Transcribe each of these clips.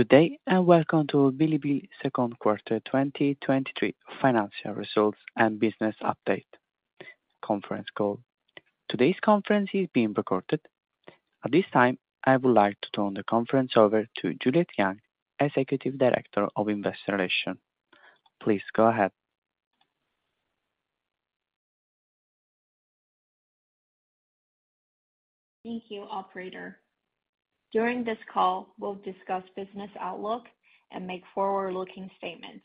Good day, welcome to Bilibili Second Quarter 2023 Financial Results and Business Update Conference Call. Today's conference is being recorded. At this time, I would like to turn the conference over to Juliet Yang, Executive Director of Investor Relations. Please go ahead. Thank you, Operator. During this call, we'll discuss business outlook and make forward-looking statements.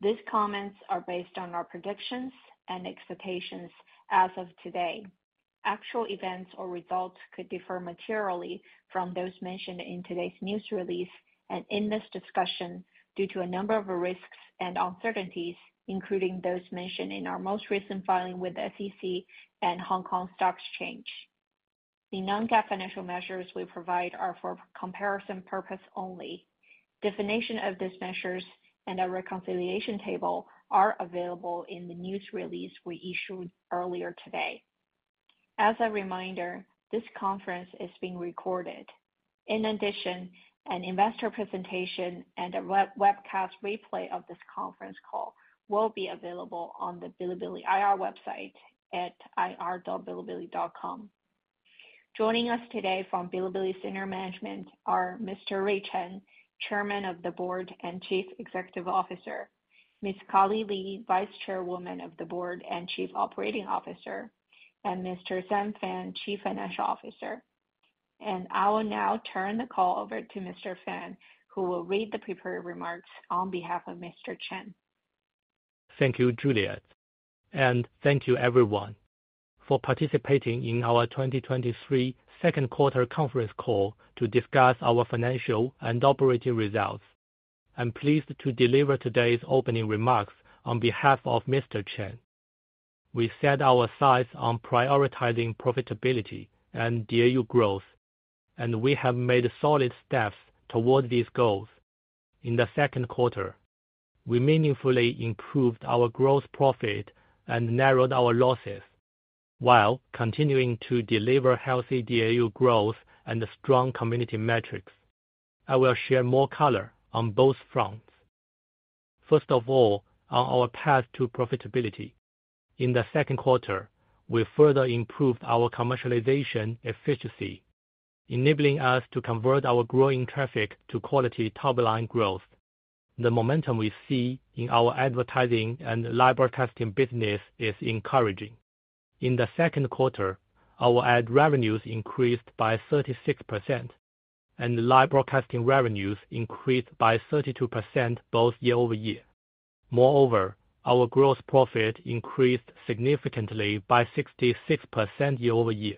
These comments are based on our predictions and expectations as of today. Actual events or results could differ materially from those mentioned in today's news release and in this discussion, due to a number of risks and uncertainties, including those mentioned in our most recent filing with the SEC and Hong Kong Stock Exchange. The non-GAAP financial measures we provide are for comparison purpose only. Definition of these measures and a reconciliation table are available in the news release we issued earlier today. As a reminder, this conference is being recorded. In addition, an investor presentation and a web, webcast replay of this conference call will be available on the Bilibili IR website at ir.bilibili.com. Joining us today from Bilibili senior management are Mr. Rui Chen, Chairman of the Board and Chief Executive Officer; Ms. Carly Li, Vice Chairwoman of the Board and Chief Operating Officer; and Mr. Xin Fan, Chief Financial Officer. I will now turn the call over to Mr. Fan, who will read the prepared remarks on behalf of Mr. Chen. Thank you, Juliet, and thank you everyone for participating in our 2023 second quarter conference call to discuss our financial and operating results. I'm pleased to deliver today's opening remarks on behalf of Mr. Chen. We set our sights on prioritizing profitability and DAU growth, and we have made solid steps towards these goals. In the second quarter, we meaningfully improved our growth profit and narrowed our losses, while continuing to deliver healthy DAU growth and strong community metrics. I will share more color on both fronts. First of all, on our path to profitability. In the second quarter, we further improved our commercialization efficiency, enabling us to convert our growing traffic to quality top-line growth. The momentum we see in our advertising and live broadcasting business is encouraging. In the second quarter, our ad revenues increased by 36%, and live broadcasting revenues increased by 32%, both year-over-year. Moreover, our gross profit increased significantly by 66% year-over-year,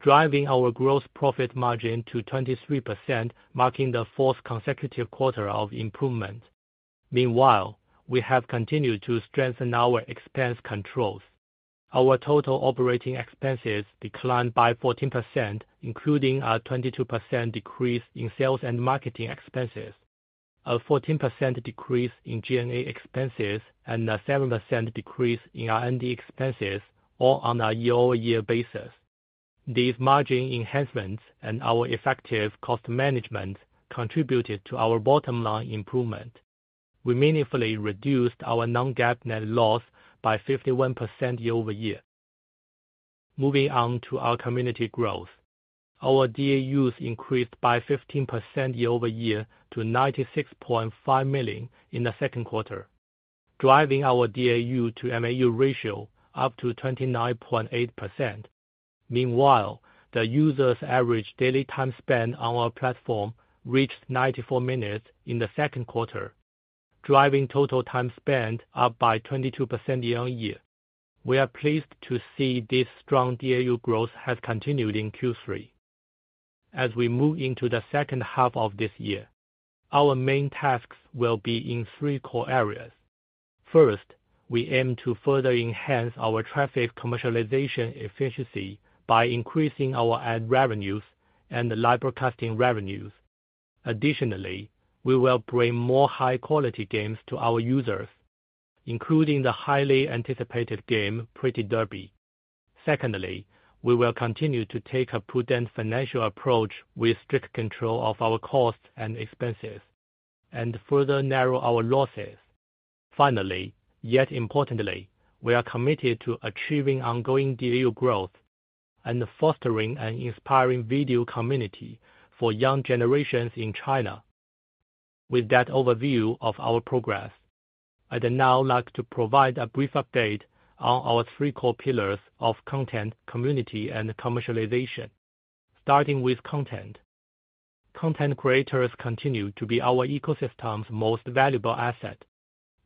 driving our gross profit margin to 23%, marking the fourth consecutive quarter of improvement. Meanwhile, we have continued to strengthen our expense controls. Our total operating expenses declined by 14%, including a 22% decrease in sales and marketing expenses, a 14% decrease in G&A expenses, and a 7% decrease in our R&D expenses, all on a year-over-year basis. These margin enhancements and our effective cost management contributed to our bottom-line improvement. We meaningfully reduced our non-GAAP net loss by 51% year-over-year. Moving on to our community growth. Our DAUs increased by 15% year-over-year to 96.5 million in the second quarter, driving our DAU to MAU ratio up to 29.8%. Meanwhile, the users' average daily time spent on our platform reached 94 minutes in the second quarter, driving total time spent up by 22% year-on-year. We are pleased to see this strong DAU growth has continued in Q3. As we move into the second half of this year, our main tasks will be in three core areas. First, we aim to further enhance our traffic commercialization efficiency by increasing our ad revenues and the live broadcasting revenues. Additionally, we will bring more high-quality games to our users, including the highly anticipated game, Pretty Derby. Secondly, we will continue to take a prudent financial approach with strict control of our costs and expenses and further narrow our losses. Finally, yet importantly, we are committed to achieving ongoing DAU growth and fostering an inspiring video community for young generations in China. With that overview of our progress, I'd now like to provide a brief update on our three core pillars of content, community, and commercialization. Starting with content. Content creators continue to be our ecosystem's most valuable asset.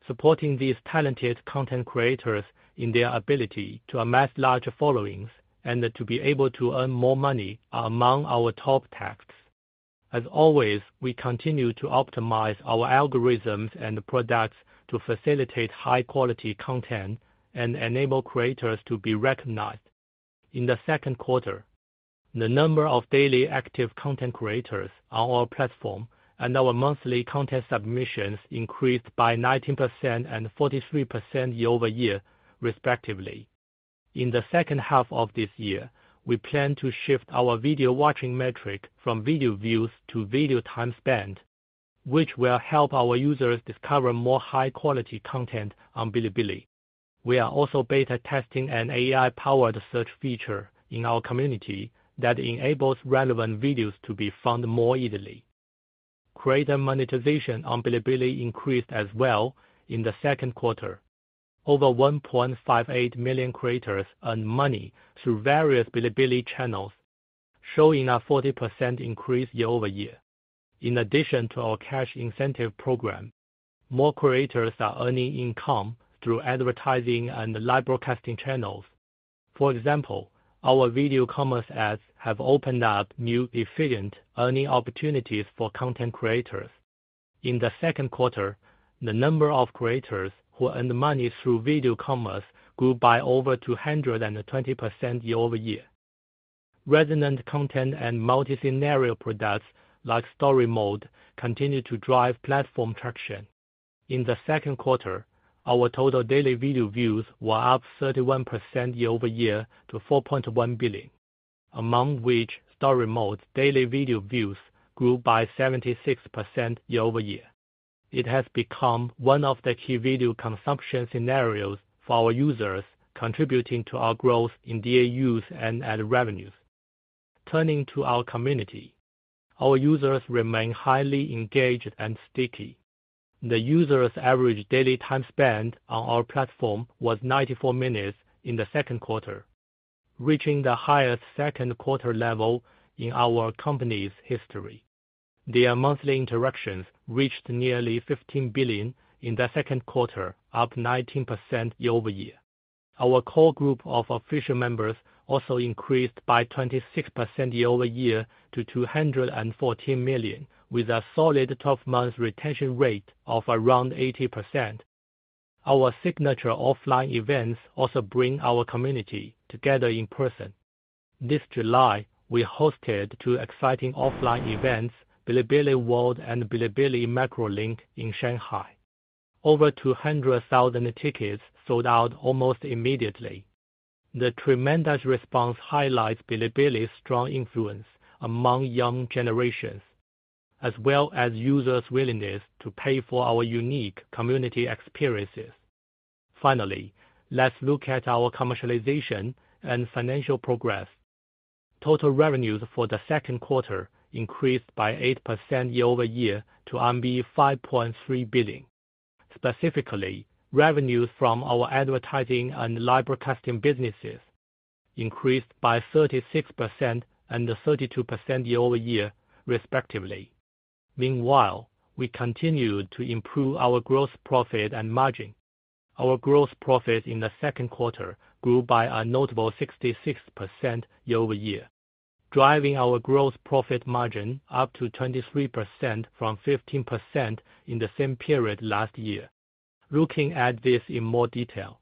Supporting these talented content creators in their ability to amass larger followings and to be able to earn more money are among our top tasks. As always, we continue to optimize our algorithms and products to facilitate high-quality content and enable creators to be recognized. In the second quarter, the number of daily active content creators on our platform and our monthly content submissions increased by 19% and 43% year-over-year, respectively. In the second half of this year, we plan to shift our video watching metric from video views to video time spent, which will help our users discover more high-quality content on Bilibili. We are also beta testing an AI-powered search feature in our community that enables relevant videos to be found more easily. Creator monetization on Bilibili increased as well in the second quarter. Over 1.58 million creators earned money through various Bilibili channels, showing a 40% increase year-over-year. In addition to our cash incentive program, more creators are earning income through advertising and live broadcasting channels. For example, our video commerce ads have opened up new efficient earning opportunities for content creators. In the second quarter, the number of creators who earned money through video commerce grew by over 220% year-over-year. Resonant content and multi-scenario products like Story Mode continue to drive platform traction. In the second quarter, our total daily video views were up 31% year-over-year to 4.1 billion, among which Story Mode daily video views grew by 76% year-over-year. It has become one of the key video consumption scenarios for our users, contributing to our growth in DAUs and ad revenues. Turning to our community, our users remain highly engaged and sticky. The users' average daily time spent on our platform was 94 minutes in the second quarter, reaching the highest second quarter level in our company's history. Their monthly interactions reached nearly 15 billion in the second quarter, up 19% year-over-year. Our core group of official members also increased by 26% year-over-year to 214 million, with a solid 12-month retention rate of around 80%. Our signature offline events also bring our community together in person. This July, we hosted two exciting offline events, Bilibili World and Bilibili Macro Link in Shanghai. Over 200,000 tickets sold out almost immediately. The tremendous response highlights Bilibili's strong influence among young generations, as well as users' willingness to pay for our unique community experiences. Finally, let's look at our commercialization and financial progress. Total revenues for the second quarter increased by 8% year-over-year to RMB 5.3 billion. Specifically, revenues from our advertising and live broadcasting businesses increased by 36% and 32% year-over-year, respectively. Meanwhile, we continued to improve our gross profit and margin. Our gross profit in the second quarter grew by a notable 66% year-over-year, driving our gross profit margin up to 23% from 15% in the same period last year. Looking at this in more detail,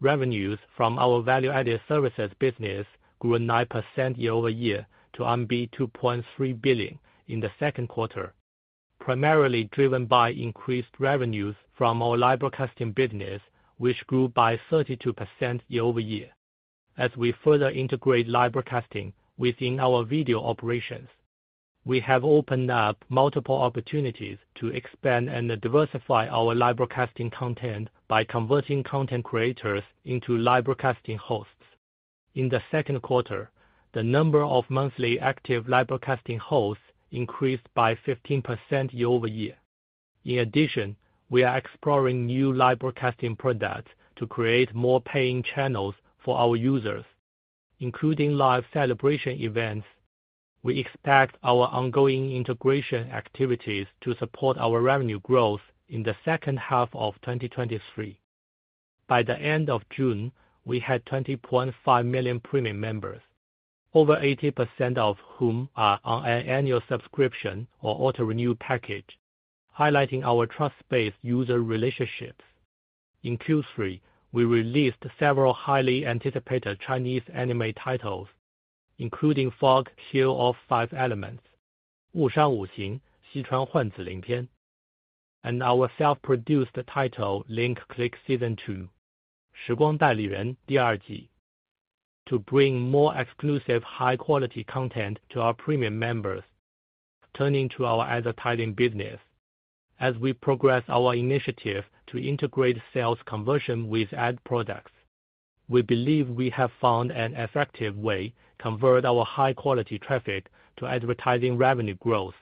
revenues from our value-added services business grew 9% year-over-year to RMB 2.3 billion in the second quarter, primarily driven by increased revenues from our live broadcasting business, which grew by 32% year-over-year. As we further integrate live broadcasting within our video operations, we have opened up multiple opportunities to expand and diversify our live broadcasting content by converting content creators into live broadcasting hosts. In the second quarter, the number of monthly active live broadcasting hosts increased by 15% year-over-year. In addition, we are exploring new live broadcasting products to create more paying channels for our users, including live celebration events. We expect our ongoing integration activities to support our revenue growth in the second half of 2023. By the end of June, we had 20.5 million premium members, over 80% of whom are on an annual subscription or auto-renew package, highlighting our trust-based user relationships. In Q3, we released several highly anticipated Chinese anime titles, including Fog Hill of Five Elements, Wù Shān Wǔ Xíng: Xīchuān Huàn Zǐ Lín, and our self-produced title, Link Click Season 2, Shíguāng Dàilǐrén dì èr jì, to bring more exclusive, high-quality content to our premium members. Turning to our advertising business, as we progress our initiative to integrate sales conversion with ad products, we believe we have found an effective way convert our high-quality traffic to advertising revenue growth.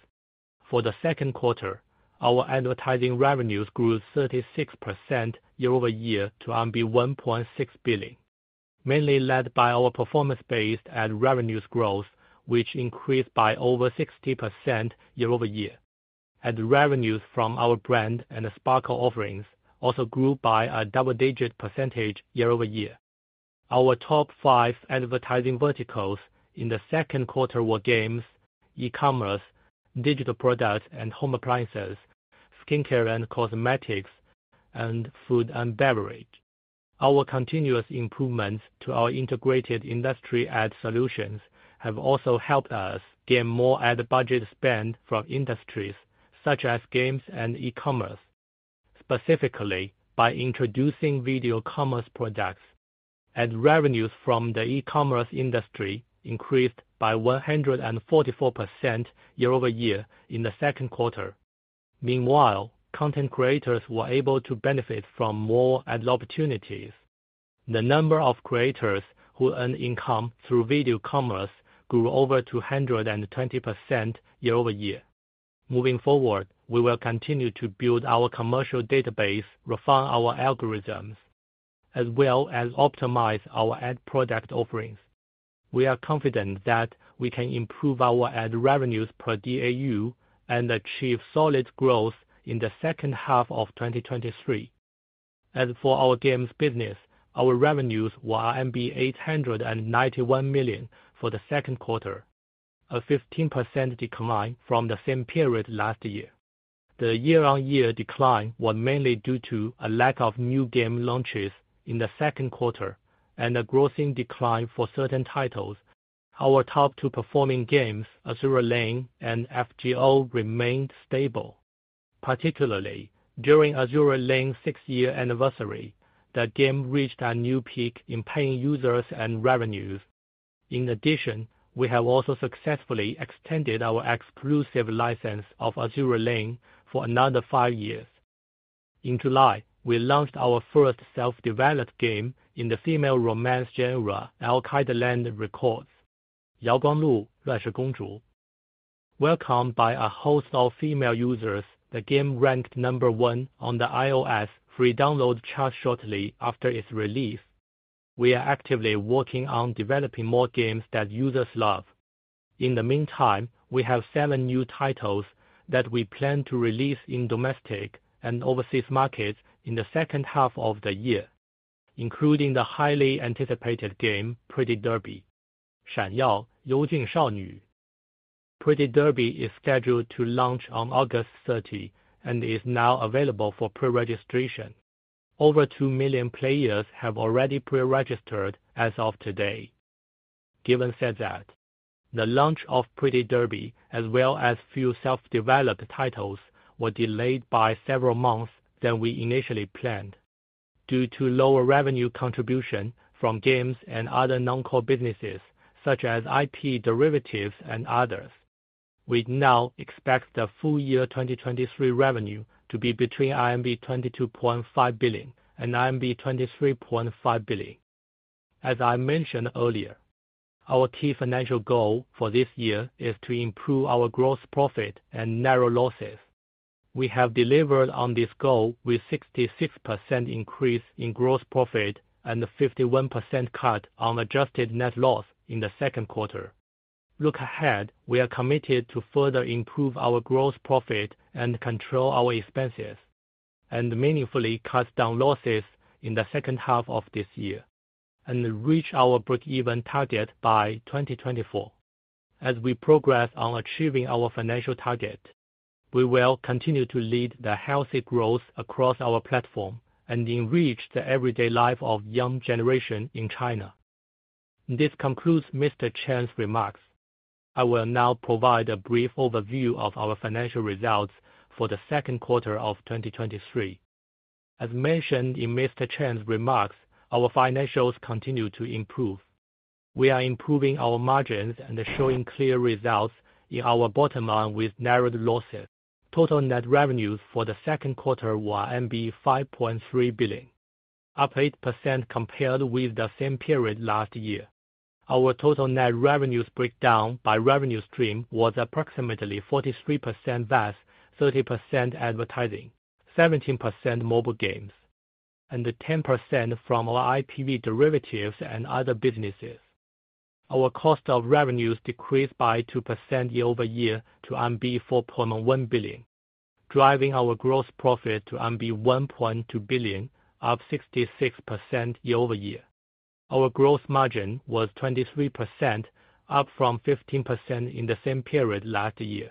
For the second quarter, our advertising revenues grew 36% year-over-year to RMB 1.6 billion, mainly led by our performance-based ad revenues growth, which increased by over 60% year-over-year. Ad revenues from our brand and the Sparkle offerings also grew by a double-digit percentage year-over-year. Our top five advertising verticals in the second quarter were games, e-commerce, digital products and home appliances, skincare and cosmetics, and food and beverage. Our continuous improvements to our integrated industry ad solutions have also helped us gain more ad budget spend from industries such as games and e-commerce. Specifically, by introducing video commerce products, revenues from the e-commerce industry increased by 144% year-over-year in the second quarter. Meanwhile, content creators were able to benefit from more ad opportunities. The number of creators who earned income through video commerce grew over 220% year-over-year. Moving forward, we will continue to build our commercial database, refine our algorithms, as well as optimize our ad product offerings. We are confident that we can improve our ad revenues per DAU and achieve solid growth in the second half of 2023. As for our games business, our revenues were RMB 891 million for the second quarter, a 15% decline from the same period last year. The year-on-year decline was mainly due to a lack of new game launches in the second quarter and a grossing decline for certain titles. Our top two performing games, Azur Lane and FGO, remained stable. Particularly, during Azur Lane sixth year anniversary, the game reached a new peak in paying users and revenues. In addition, we have also successfully extended our exclusive license of Azur Lane for another five years. In July, we launched our first self-developed game in the female romance genre, Alkaid Land Records: Yaoguang Lu Luanshi Gongzhu. Welcomed by a host of female users, the game ranked number one on the iOS free download chart shortly after its release. We are actively working on developing more games that users love. In the meantime, we have seven new titles that we plan to release in domestic and overseas markets in the second half of the year, including the highly anticipated game, Pretty Derby: Shǎnyào! Yōu Jùn Shàonǚ. Pretty Derby is scheduled to launch on August 30 and is now available for pre-registration. Over 2 million players have already pre-registered as of today. Given said that, the launch of Pretty Derby, as well as few self-developed titles, were delayed by several months than we initially planned. Due to lower revenue contribution from games and other non-core businesses, such as IP derivatives and others, we now expect the full year 2023 revenue to be between RMB 22.5 billion and RMB 23.5 billion. As I mentioned earlier, our key financial goal for this year is to improve our gross profit and narrow losses. We have delivered on this goal with 66% increase in gross profit and a 51% cut on adjusted net loss in the second quarter. Look ahead, we are committed to further improve our gross profit and control our expenses, and meaningfully cut down losses in the second half of this year, and reach our breakeven target by 2024. As we progress on achieving our financial target, we will continue to lead the healthy growth across our platform and enrich the everyday life of young generation in China. This concludes Mr. Chen's remarks. I will now provide a brief overview of our financial results for the second quarter of 2023. As mentioned in Mr. Chen's remarks, our financials continue to improve. We are improving our margins and showing clear results in our bottom line with narrowed losses. Total net revenues for the second quarter were 5.3 billion, up 8% compared with the same period last year. Our total net revenues breakdown by revenue stream was approximately 43% VAS, 30% advertising, 17% mobile games, and 10% from our IP derivatives and other businesses. Our cost of revenues decreased by 2% year-over-year to RMB 4.1 billion, driving our gross profit to RMB 1.2 billion, up 66% year-over-year. Our gross margin was 23%, up from 15% in the same period last year.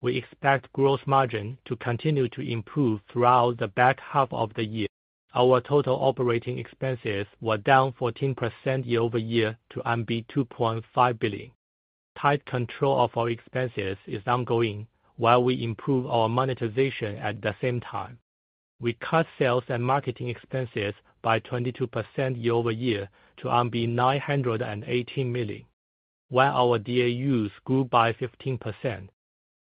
We expect growth margin to continue to improve throughout the back half of the year. Our total operating expenses were down 14% year-over-year to 2.5 billion. Tight control of our expenses is ongoing while we improve our monetization at the same time. We cut sales and marketing expenses by 22% year-over-year to 918 million, while our DAUs grew by 15%.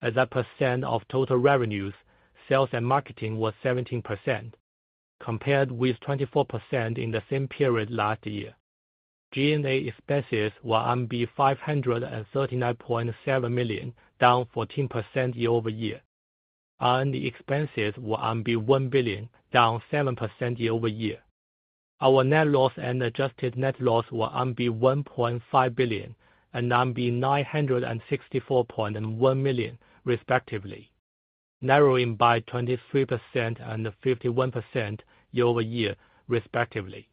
As a percent of total revenues, sales and marketing was 17%, compared with 24% in the same period last year. G&A expenses were 539.7 million, down 14% year-over-year, and the expenses were 1 billion, down 7% year-over-year. Our net loss and adjusted net loss were 1.5 billion and 964.1 million, respectively, narrowing by 23% and 51% year-over-year, respectively.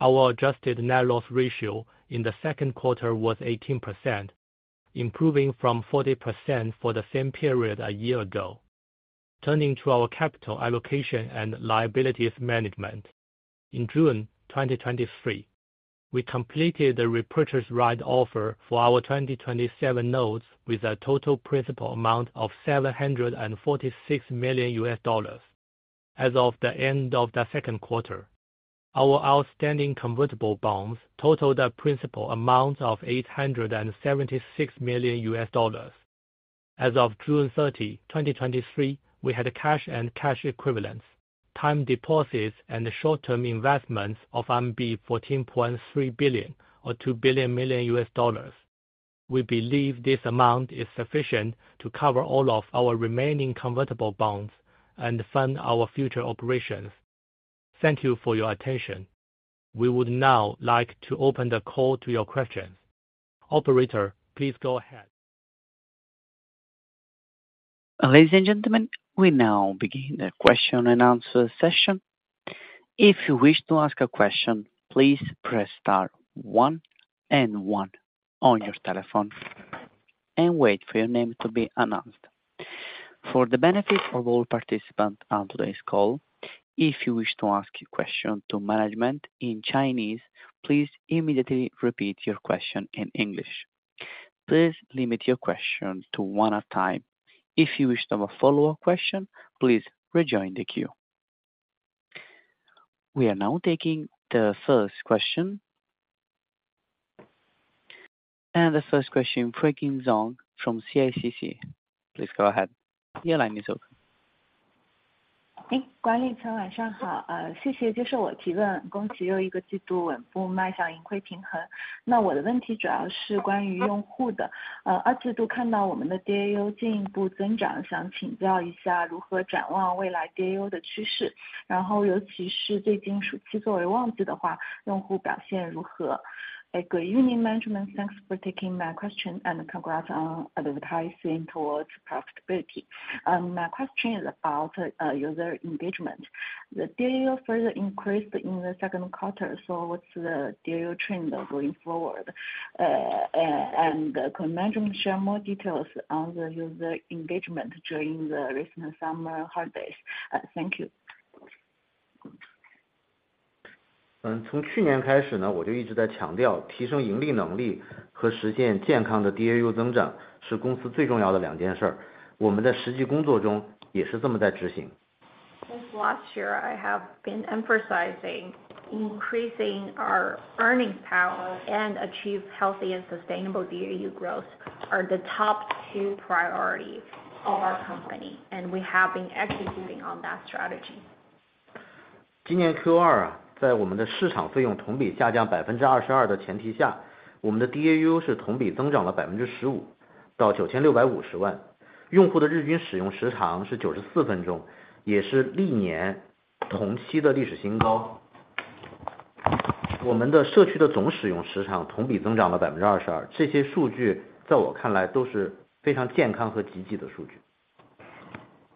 Our adjusted net loss ratio in the second quarter was 18%, improving from 40% for the same period a year ago. Turning to our capital allocation and liabilities management. In June 2023, ...We completed the repurchased rights offer for our 2027 notes with a total principal amount of $746 million. As of the end of the second quarter, our outstanding convertible bonds totaled a principal amount of $876 million. As of June 30, 2023, we had a cash and cash equivalents, time deposits, and short-term investments of RMB 14.3 billion, or $2 billion million. We believe this amount is sufficient to cover all of our remaining convertible bonds and fund our future operations. Thank you for your attention. We would now like to open the call to your questions. Operator, please go ahead. Ladies, and gentlemen, we now begin the question-and-answer session. If you wish to ask a question, please press star one and one on your telephone and wait for your name to be announced. For the benefit of all participants on today's call, if you wish to ask a question to management in Chinese, please immediately repeat your question in English. Please limit your questions to one at a time. If you wish to have a follow-up question, please rejoin the queue. We are now taking the first question. The first question from Xueqing Zhang from CICC. Please go ahead. 管理层晚上好。谢谢接受我提问，恭喜又一个季度稳步迈向盈亏平衡。我的问题主要是关于用户的，二季度看到我们的DAU进一步增长，想请教一下如何展望未来DAU的趋势，然后尤其是最近暑期作为旺季的话，用户表现如何? Good evening, management. Thanks for taking my question and congrats on advertising towards profitability. My question is about user engagement. The DAU further increased in the second quarter, what's the DAU trend going forward? Can management share more details on the user engagement during the recent summer holidays? Thank you. 从去年开 始, 我就一直在强 调, 提升盈利能力和实现健康的 DAU 增长是公司最重要的两件事 儿, 我们在实际工作中也是这么在执 行. Since last year, I have been emphasizing increasing our earnings power and achieve healthy and sustainable DAU growth are the top 2 priority of our company. We have been executing on that strategy. 今年 Q2 在我们的市场费用 year-over-year 下降 22% 的前提 下， 我们的 DAU 是 year-over-year 增长了 15%， 到 96.5 million。用户的日均使用时长是94分 钟， 也是历年同期的历史新高。我们的社区的总使用时长 year-over-year 增长了 22%。这些数据在我看来都是非常健康和积极的数据。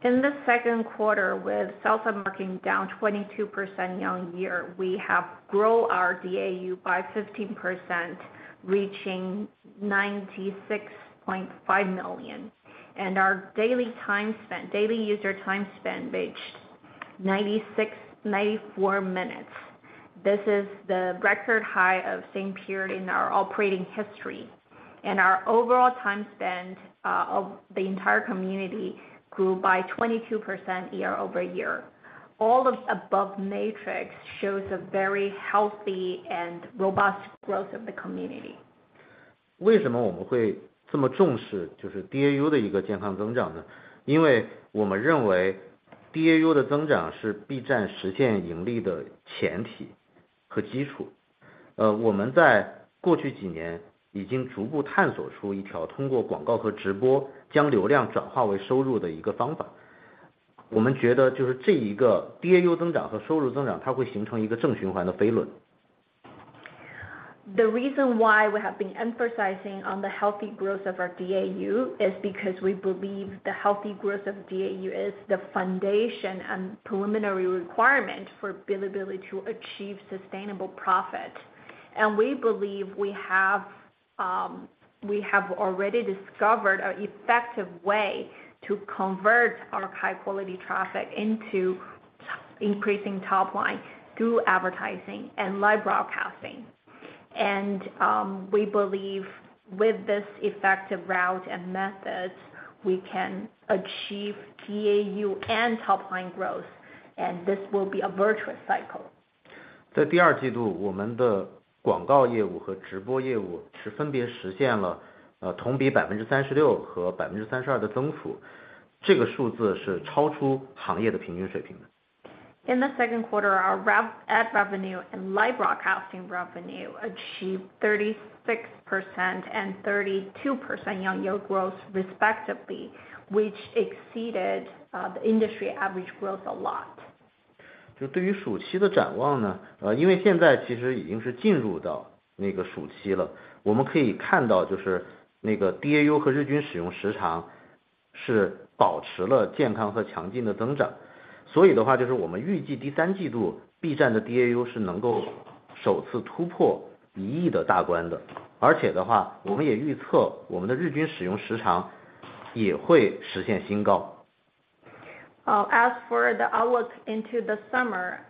In the second quarter, with sales and marketing down 22% year-over-year, we have grown our DAU by 15%, reaching 96.5 million. Our daily time spent, daily user time spent, reached 94 minutes. This is the record high of same period in our operating history. Our overall time spent of the entire community grew by 22% year-over-year. All of above metrics shows a very healthy and robust growth of the community. 为什么我们会这么重视就是 DAU 的一个健康增长 呢？ 因为我们认为 ，DAU 的增长是 B 站实现盈利的前提和基础。我们在过去几年已经逐步探索出一条通过广告和直播将流量转化为收入的一个方法。我们觉得就是这一个 DAU 增长和收入增 长， 它会形成一个正循环的飞轮。The reason why we have been emphasizing on the healthy growth of our DAU is because we believe the healthy growth of DAU is the foundation and preliminary requirement for Bilibili to achieve sustainable profit. We believe we have, we have already discovered an effective way to convert our high quality traffic into increasing top line, through advertising and live broadcasting. We believe with this effective route and methods, we can achieve DAU and top line growth, and this will be a virtuous cycle. 在 2Q， 我们的广告业务和直播业务是分别实现了同比 36% 和 32% 的增 幅， 这个数字是超出行业的平均水平。In the second quarter, our ad revenue and live broadcasting revenue achieved 36% and 32% year-over-year growth, respectively, which exceeded the industry average growth a lot. 对于暑期的展望 呢， 因为现在其实已经是进入到那个暑期 了， 我们可以看到就是那个 DAU 和日均使用时长是保持了健康和强劲的增长。就是我们预计第三季度 B 站的 DAU 是能够首次突破100 million 的大关的。我们也预测我们的日均使用时长也会实现新高。...as for the outlook into the summer,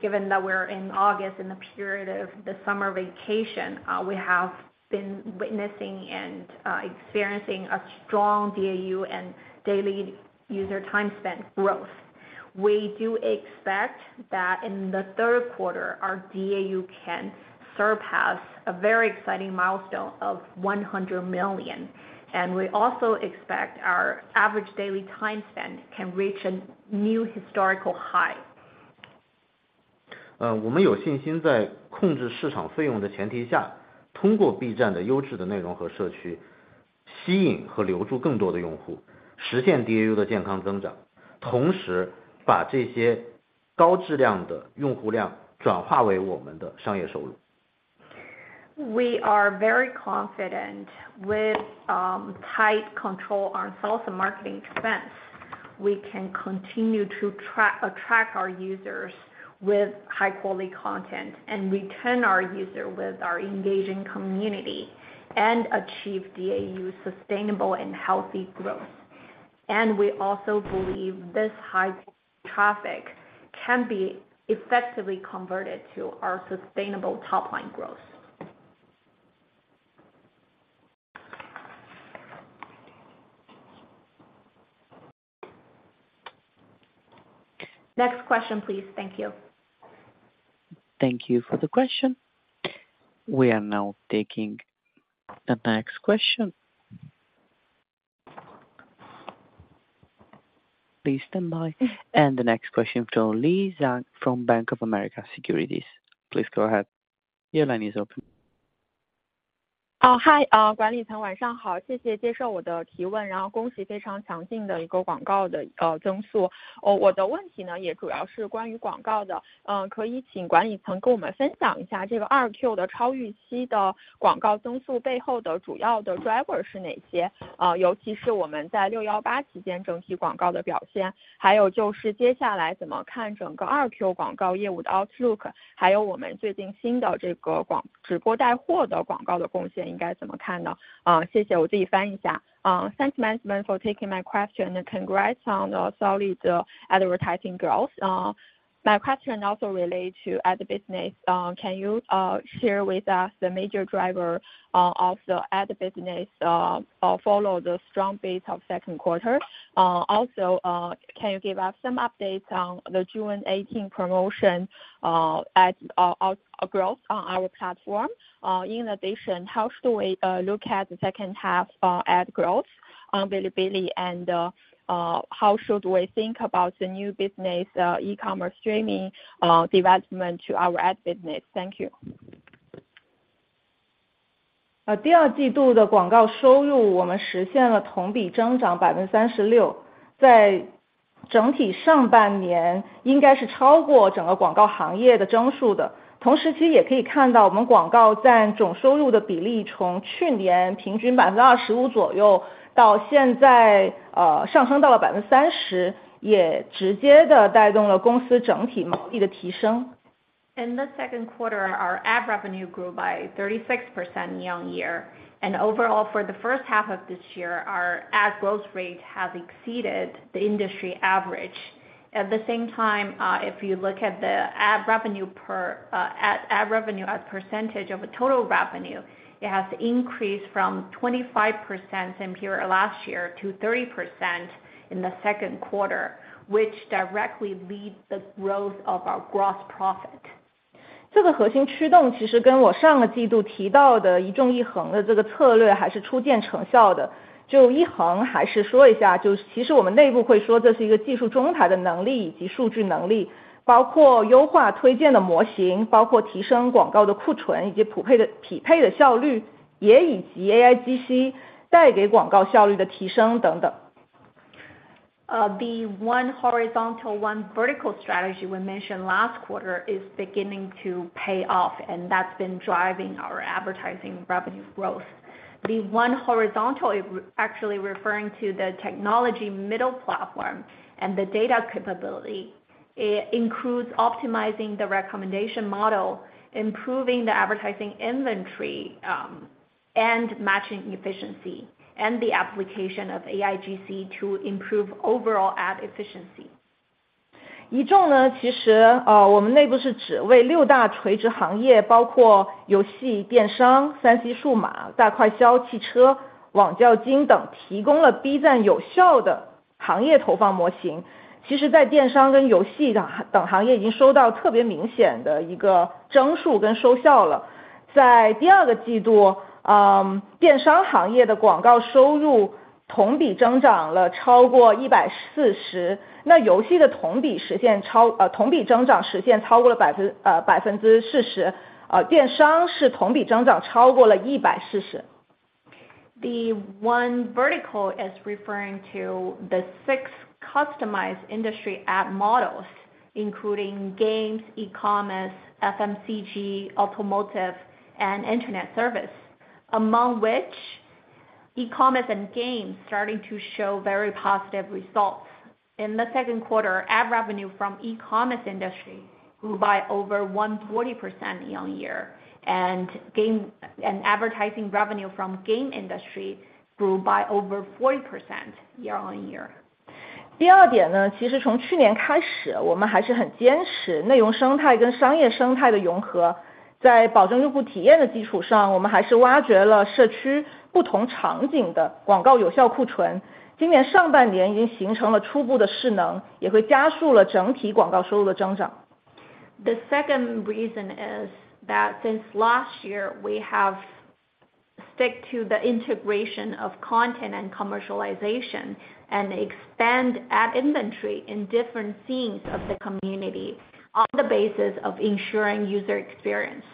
given that we're in August, in the period of the summer vacation, we have been witnessing and experiencing a strong DAU and daily user time spent growth. We do expect that in the third quarter, our DAU can surpass a very exciting milestone of 100 million, and we also expect our average daily time spent can reach a new historical high. 我们有信 心， 在控制市场费用的前提 下， 通过 B 站的优质的内容和社 区， 吸引和留住更多的用 户， 实现 DAU 的健康增 长， 同时把这些高质量的用户量转化为我们的商业收入。We are very confident with tight control on sales and marketing expense. We can continue to attract our users with high quality content, and retain our user with our engaging community, and achieve DAU sustainable and healthy growth. We also believe this high traffic can be effectively converted to our sustainable top line growth. Next question, please. Thank you. Thank you for the question. We are now taking the next question. Please stand by. The next question from Lisa from Bank of America Securities. Please go ahead. Your line is open. Oh, hi. 管理层晚上 好， 谢谢接受我的提 问， 然后恭喜非常强劲的一个广告的增速。我的问题 呢， 也主要是关于广告的。可以请管理层跟我们分享一下这个 2Q 的超预期的广告增速背后的主要的 driver 是哪 些？ 尤其是我们在618期间整体广告的表 现， 还有就是接下来怎么看整个 2Q 广告业务的 outlook， 还有我们最近新的这个 广， 直播带货的广告的贡献应该怎么看 呢？ 谢谢。我自己翻译一下。Thanks management for taking my question, and congrats on the solid advertising growth. My question also relate to ad business. Can you share with us the major driver of the ad business follow the strong base of second quarter? Also, can you give us some updates on the June 18 promotion ad growth on our platform? In addition, how should we look at the second half ad growth on Bilibili? How should we think about the new business e-commerce streaming development to our ad business? Thank you. 呃， 第二季度的广告收入我们实现了同比增长百分之三十 六， 在整体上半年应该是超过整个广告行业的增速的。同时期也可以看 到， 我们广告占总收入的比例从去年平均百分之二十五左 右， 到现 在， 呃， 上升到了百分之三 十， 也直接地带动了公司整体毛利的提升。In the second quarter, our ad revenue grew by 36% year-over-year. Overall, for the first half of this year, our ad growth rate has exceeded the industry average. At the same time, if you look at the ad revenue per ad revenue as percentage of total revenue, it has increased from 25% in last year to 30% in the second quarter, which directly lead the growth of our gross profit. 这个核心驱动其实跟我上个季度提到的一纵一横的这个策略还是初见成效的。就一横还是说一 下， 就是其实我们内部会说这是一个技术中台的能力以及数据能 力， 包括优化推荐的模 型， 包括提升广告的库 存， 以及普配 的， 匹配的效 率， 也以及 AIGC 带给广告效率的提升等等。The one horizontal, one vertical strategy we mentioned last quarter is beginning to pay off, and that's been driving our advertising revenue growth. The one horizontal is actually referring to the technology middle platform and the data capability. It includes optimizing the recommendation model, improving the advertising inventory, and matching efficiency, and the application of AIGC to improve overall ad efficiency. 一纵 呢， 其 实， 我们内部是指为六大垂直行 业， 包括游戏、电商、3C 数码、大快消、汽车、网教经 等， 提供了 B 站有效的行业投放模型。其实在电商跟游戏 行， 等行业已经收到特别明显的一个增速跟收效了。在第二个季 度， 电商行业的广告收入同比增长了超过 140， 那游戏的同比实现 超， 同比增长实现超过了 40%， 电商是同比增长超过了 140。The one vertical is referring to the six customized industry ad models, including games, e-commerce, FMCG, automotive, and internet service. Among which, e-commerce and games starting to show very positive results. In the second quarter, ad revenue from e-commerce industry grew by over 140% year-on-year, and advertising revenue from game industry grew by over 40% year-on-year. 第二点 呢， 其实从去年开 始， 我们还是很坚持内容生态跟商业生态的融合。在保证用户体验的基础 上， 我们还是挖掘了社区不同场景的广告有效库 存， 今年上半年已经形成了初步的势 能， 也会加速了整体广告收入的增长。The second reason is that since last year, we have stick to the integration of content and commercialization, and expand ad inventory in different scenes of the community on the basis of ensuring user experience.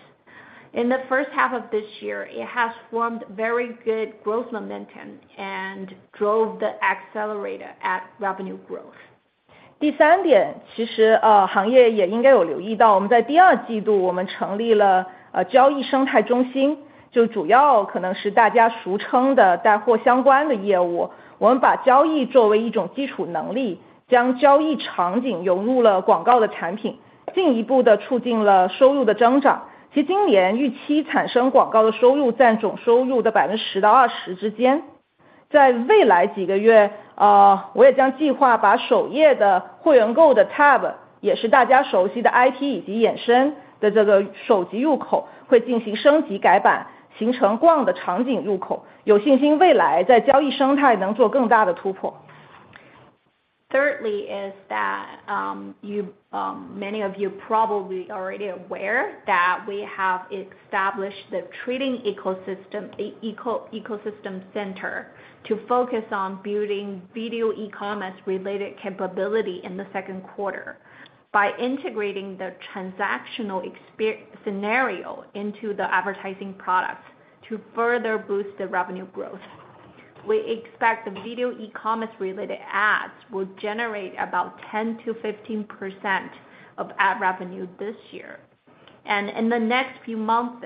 In the first half of this year, it has formed very good growth momentum and drove the accelerator at revenue growth. 第三 点， 其实 呃， 行业也应该有留意 到， 我们在第二季度我们成立 了， 呃， 交易生态中 心， 就主要可能是大家俗称的带货相关的业 务， 我们把交易作为一种基础能 力， 将交易场景融入了广告的产 品， 进一步地促进了收入的增长。其今年预期产生广告的收入占总收入的百分之十到二十之间。在未来几个 月， 呃， 我也将计划把首页的会员购的 tab， 也是大家熟悉的 IP 以及衍生的这个手机入 口， 会进行升级改版，形成逛的场景入 口， 有信心未来在交易生态能做更大的突破。Thirdly is that, you, many of you probably already aware that we have established the trading ecosystem, ecosystem center to focus on building video e-commerce related capability in the second quarter. By integrating the transactional scenario into the advertising products to further boost the revenue growth, we expect the video e-commerce related ads will generate about 10%-15% of ad revenue this year. In the next few months,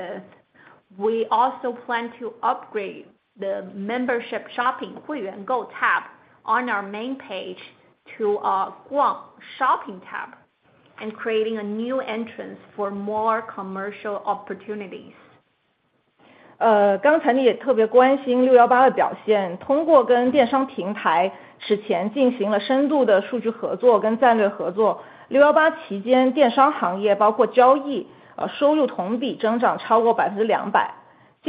we also plan to upgrade the membership shopping 会员购 tab on our main page to a 逛 shopping tab, and creating a new entrance for more commercial opportunities. 刚才你也特别关心618的表 现，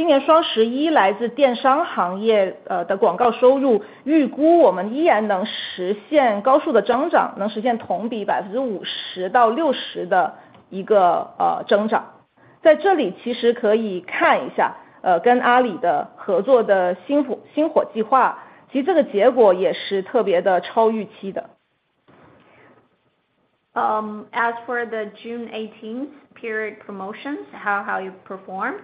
通过跟电商平台此前进行了深度的数据合作跟战略合作。618期 间， 电商行业包括交 易， 收入同比增长超过 200%。今年 Double Eleven， 来自电商行 业， 的广告收 入， 预估我们依然能实现高速的增 长， 能实现同比 50%-60% 的一个增长。在这里其实可以看一 下， 跟 Alibaba 的合作的 Spark, Spark Program， 其实这个结果也是特别的超预期的。As for the June 18th period promotions, how, how you performed?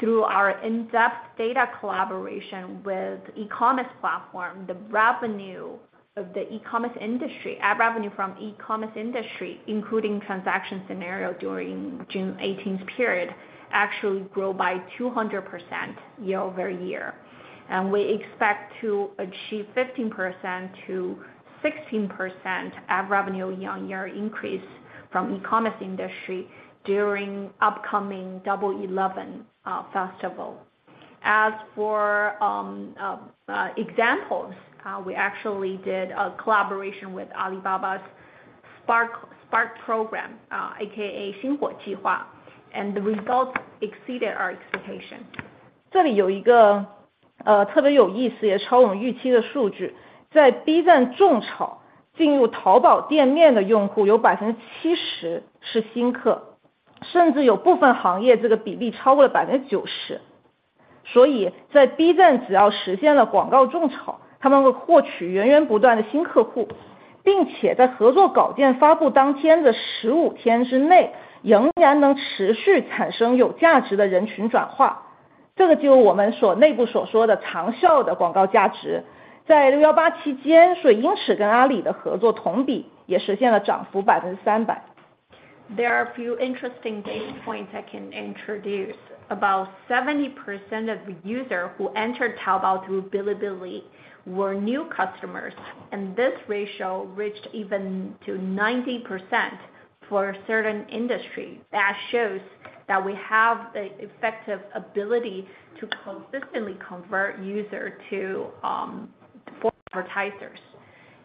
Through our in-depth data collaboration with e-commerce platform, ad revenue from e-commerce industry, including transaction scenario during June 18th period, actually grow by 200% year-over-year. We expect to achieve 15%-16% ad revenue year-on-year increase from e-commerce industry during upcoming Double Eleven festival. As for examples, we actually did a collaboration with Alibaba's Spark Program, AKA 星火计划. The results exceeded our expectation. 这里有一个特别有意思也超乎我们预期的数据。在 B 站种草进入 Taobao 店面的用户有 70% 是新 客， 甚至有部分行业这个比例超过了 90%。在 B 站， 只要实现了广告种 草， 他们会获取源源不断的新客 户， 并且在合作稿件发布当天的15天之 内， 仍然能持续产生有价值的人群转化。这个就是我们所内部所说的长效的广告价值。在618期 间， 水星矢跟 Alibaba 的合作同比也实现了涨幅 300%。There are a few interesting data points I can introduce. About 70% of the user who entered Taobao through Bilibili were new customers, and this ratio reached even to 90% for certain industry. That shows that we have the effective ability to consistently convert user to for advertisers.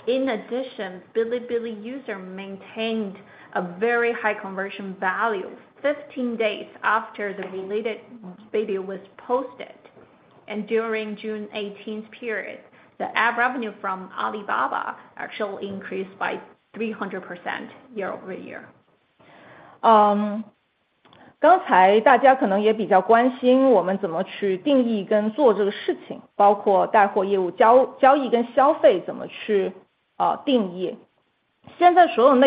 In addition, Bilibili user maintained a very high conversion value 15 days after the related video was posted, and during June 18th period, the ad revenue from Alibaba actually increased by 300% year-over-year. 刚才大家可能也比较关心我们怎么去定义跟做这个事 情， 包括带货业 务， 交易跟消费怎么去定义。现在所有内容平台都在做自己的电 商， 就是所谓的闭环电 商， 就 B 站此刻还是选择坚持大开环的生 态， 和积极地和电商平台以及品牌方一 起， 在 B 站这个生态继续做大交易规模。While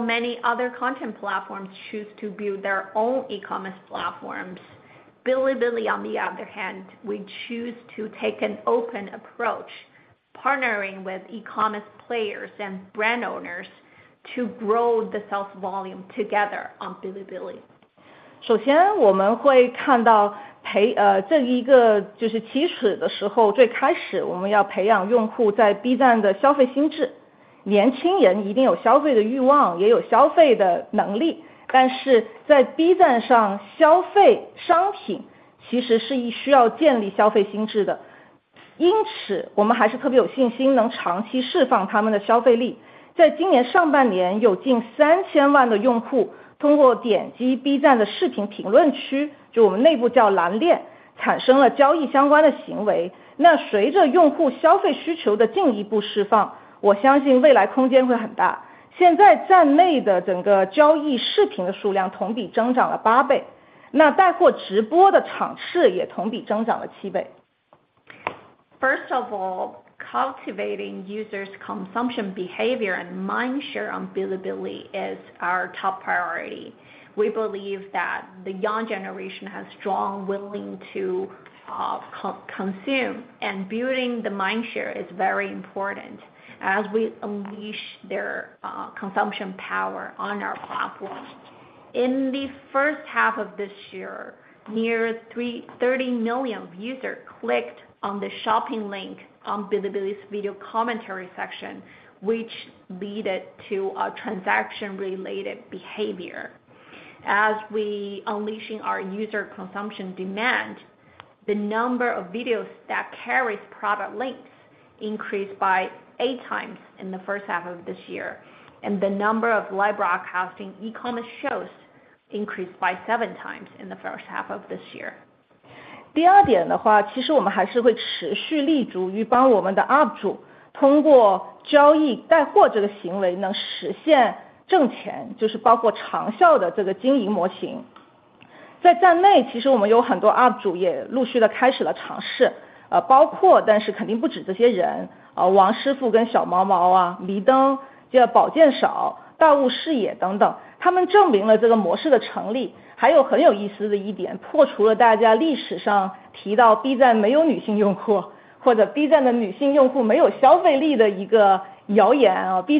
many other content platforms choose to build their own e-commerce platforms, Bilibili, on the other hand, we choose to take an open approach, partnering with e-commerce players and brand owners to grow the sales volume together on Bilibili. Bilibili on the other hand, we choose to take an open approach, partnering with e-commerce players and brand owners to grow the sales volume together on Bilibili. First of all, cultivating users' consumption behavior and mind share on Bilibili is our top priority. We believe that the young generation has strong willing to consume, and building the mind share is very important as we unleash their consumption power on our platform. In the first half of this year, near 30 million user clicked on the shopping link on Bilibili's video commentary section, which leaded to a transaction-related behavior. As we unleashing our user consumption demand, the number of videos that carries product links increased by eight times in the first half of this year, and the number of live broadcasting e-commerce shows increased by seven times in the first half of this year.《Speaking Chinese》Secondly,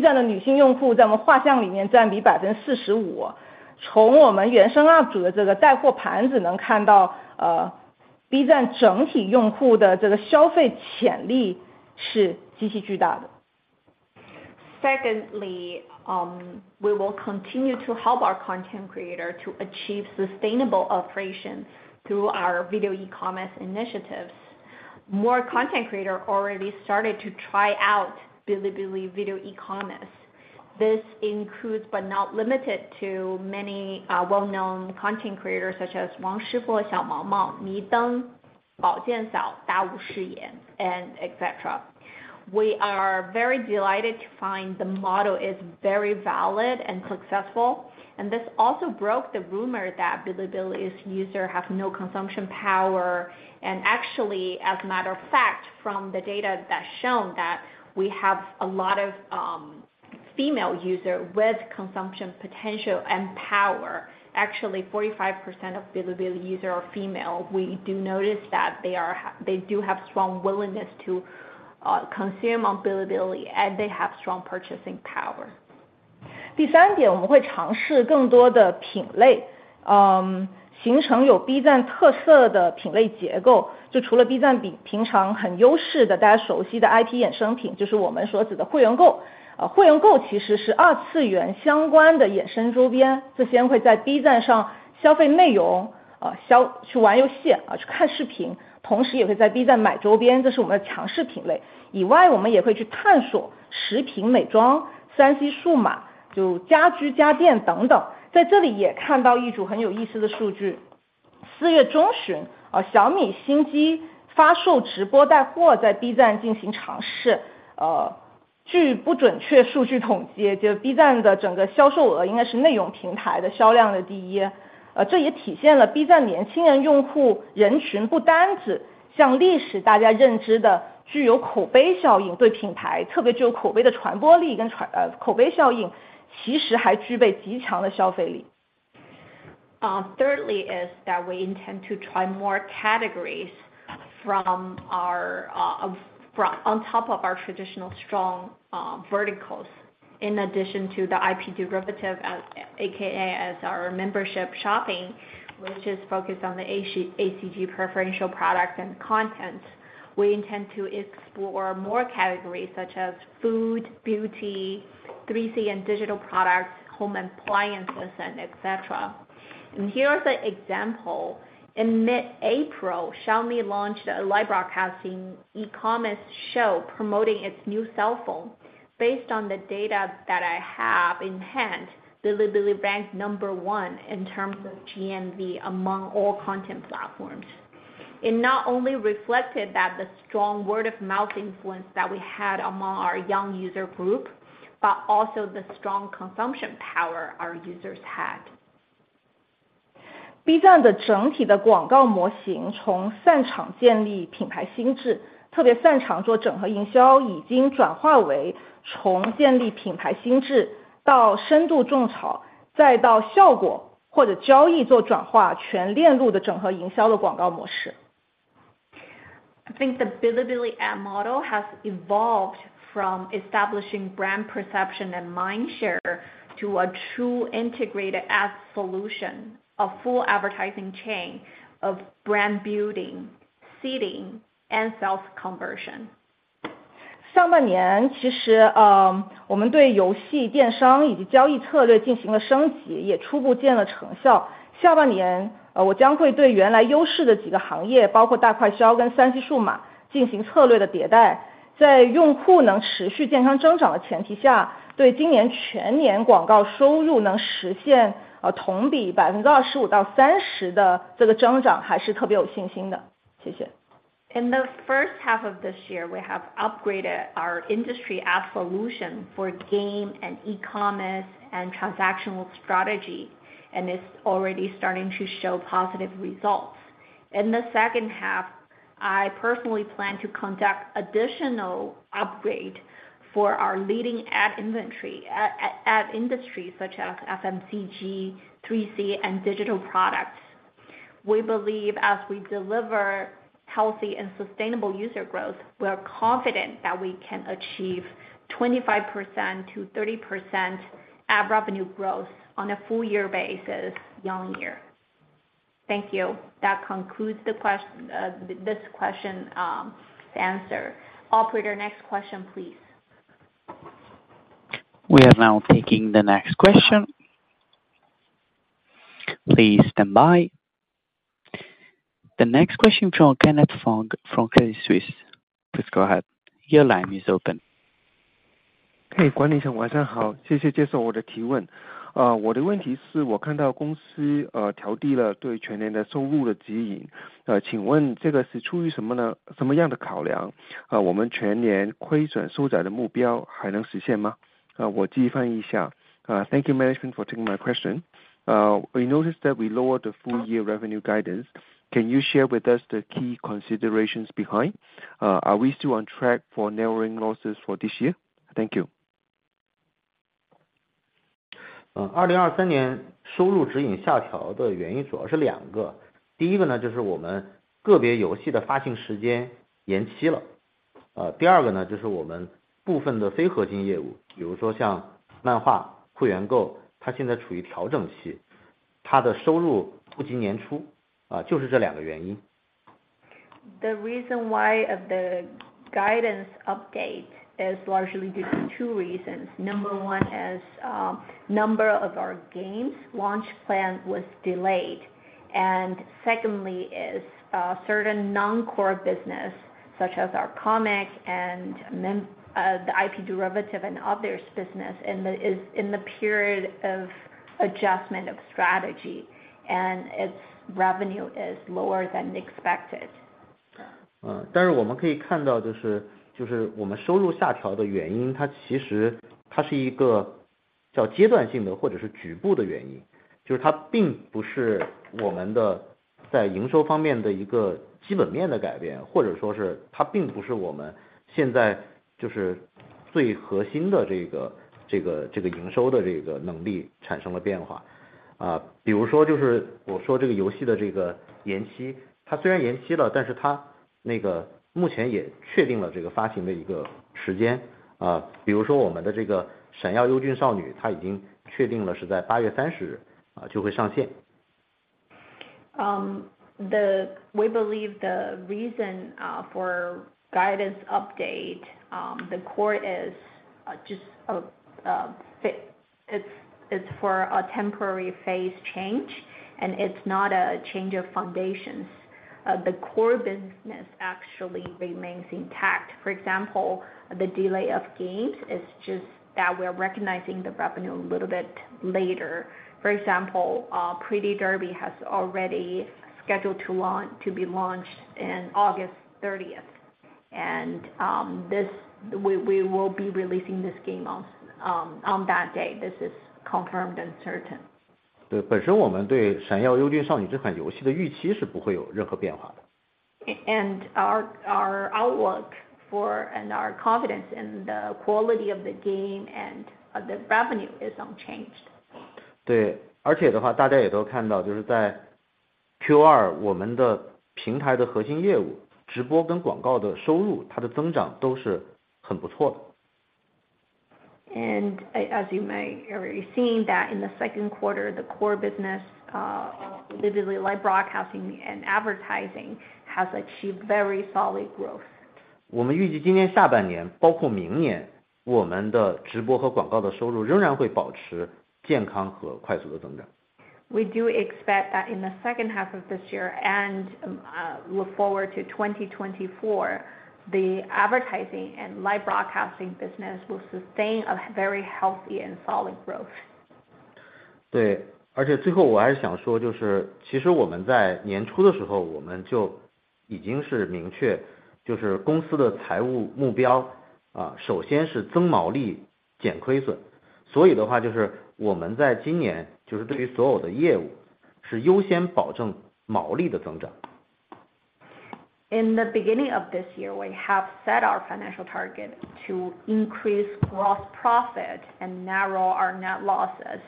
we will continue to help our content creator to achieve sustainable operations through our video e-commerce initiatives. More content creator already started to try out Bilibili video e-commerce. This includes, but not limited to, many well-known content creators such as Wang Shifu, Xiaomaomao, Mideng, Baojianshao, Dawushiyan, et cetera. We are very delighted to find the model is very valid and successful. This also broke the rumor that Bilibili's user have no consumption power. Actually, as a matter of fact, from the data that's shown, that we have a lot of female user with consumption potential and power. Actually, 45% of Bilibili user are female. We do notice that they do have strong willingness to consume on Bilibili, and they have strong purchasing power.《Speaking Chinese》Thirdly, is that we intend to try more categories from our on top of our traditional strong verticals. In addition to the IP derivative, aka our membership shopping, which is focused on the ACG preferential products and content, we intend to explore more categories such as food, beauty, 3C and digital products, home appliances, and etcetera. Here is an example: In mid-April, Xiaomi launched a live broadcasting e-commerce show promoting its new cell phone. Based on the data that I have in hand, Bilibili ranked number one in terms of GMV among all content platforms. It not only reflected that the strong word-of-mouth influence that we had among our young user group, but also the strong consumption power our users had. ...B 站的整体的广告模 型， 从擅长建立品牌心 智， 特别擅长做整合营 销， 已经转化为从建立品牌心智到深度种 草， 再到效果或者交易做转化全链路的整合营销的广告模式。I think the Bilibili ad model has evolved from establishing brand perception and mind share to a true integrated ad solution, a full advertising chain of brand building, seeding and sales conversion. 上半年其 实， 我们对游戏、电商以及交易策略进行了升 级， 也初步见了成效。下半 年， 我将会对原来优势的几个行 业， 包括大快消跟 3C 数码进行策略的迭代。在用户能持续健康增长的前提 下， 对今年全年广告收入能实 现， 同比 25%-30% 的这个增长还是特别有信心 的， 谢谢。In the first half of this year, we have upgraded our industry ad solution for game and e-commerce and transactional strategy, it's already starting to show positive results. In the second half, I personally plan to conduct additional upgrade for our leading ad inventory, ad industry such as FMCG, 3C and digital products. We believe as we deliver healthy and sustainable user growth, we are confident that we can achieve 25%-30% ad revenue growth on a full year basis year-on-year. Thank you. That concludes the question answer. Operator, next question, please. We are now taking the next question. Please stand by. The next question from Kenneth Fong from Credit Suisse. Please go ahead. Your line is open. 嘿，管理层晚上好，谢谢接受我的提问。我的问题是我看到公司，调低了对全年的收入的指引，请问这个是出于什么呢，什么样的考量？我们全年亏损收窄的目标还能实现吗？我翻译一下。Thank you management for taking my question. We noticed that we lowered the full year revenue guidance. Can you share with us the key considerations behind? Are we still on track for narrowing losses for this year? Thank you. 2023年收入指引下调的原因主要是2 个。第1个 呢， 就是我们个别游戏的发行时间延期了。第2个 呢， 就是我们部分的非核心业 务， 比如说像漫画、会员购， 它现在处于调整 期， 它的收入不及年初。就是这2个原因。The reason why of the guidance update is largely due to two reasons. Number one is, number of our games launch plan was delayed, and secondly is, certain non-core business, such as our comic and mem, the IP derivative and others business, and the is in the period of adjustment of strategy, and its revenue is lower than expected. 呃， 但是我们可以看到的 是， 就是我们收入下调的原 因， 它其实它是一个叫阶段性的或者是局部的原 因， 就是它并不是我们的在营收方面的一个基本面的改 变， 或者说是它并不是我们现在就是最核心的这 个， 这 个， 这个营收的这个能力产生了变化。啊， 比如说就是我说这个游戏的这个延 期， 它虽然延期 了， 但是它那个目前也确定了这个发行的一个时间。啊， 比如说我们的这个闪耀优俊少 女， 她已经确定了是在八月三十日 啊， 就会上线。We believe the reason for guidance update, the core is just it's for a temporary phase change, and it's not a change of foundations. The core business actually remains intact. For example, the delay of games is just that we're recognizing the revenue a little bit later. For example, Pretty Derby has already scheduled to launch, to be launched in August 30th, and this we will be releasing this game on that day. This is confirmed and certain. 对， 本身我们对闪耀优俊少女这款游戏的预期是不会有任何变化的。Our, our outlook for and our confidence in the quality of the game and the revenue is unchanged. 对， 而且的话大家也都看 到， 就是在 Q2 我们的平台的核心业 务， 直播跟广告的收 入， 它的增长都是很不错的。As you may already seen, that in the second quarter, the core business, Bilibili live broadcasting and advertising has achieved very solid growth. 我们预计今年下半 年， 包括明 年， 我们的直播和广告的收入仍然会保持健康和快速的增长。We do expect that in the second half of this year and, look forward to 2024, the advertising and live broadcasting business will sustain a very healthy and solid growth. 最后我还是想 说， 就是其实我们在年初的时 候， 我们就已经是明 确， 就是公司的财务目 标， 首先是增毛 利， 减亏损。我们在今 年， 就是对于所有的业务是优先保证毛利的增长。In the beginning of this year, we have set our financial target to increase gross profit and narrow our net losses.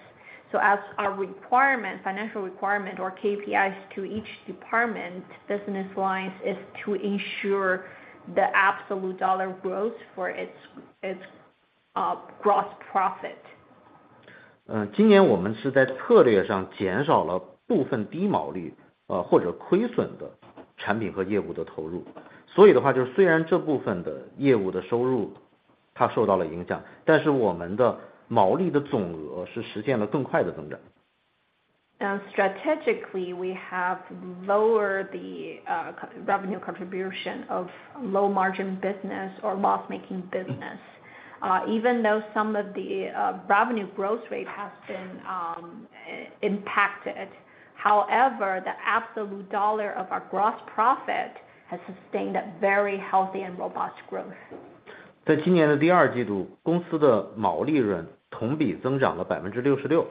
As our requirement, financial requirement or KPIs to each department, business lines is to ensure the absolute dollar growth for its, its, gross profit. 今年我们是在策略上减少了部分低毛 利， 或者亏损的产品和业务的投入。虽然这部分的业务的收入它受到了影 响， 但是我们的毛利的总额是实现了更快的增长。Strategically, we have lowered the revenue contribution of low margin business or loss-making business. Even though some of the revenue growth rate has been impacted. However, the absolute dollar of our gross profit has sustained a very healthy and robust growth. 在今年的第二季 度， 公司的毛利润同比增长了百分之六十 六，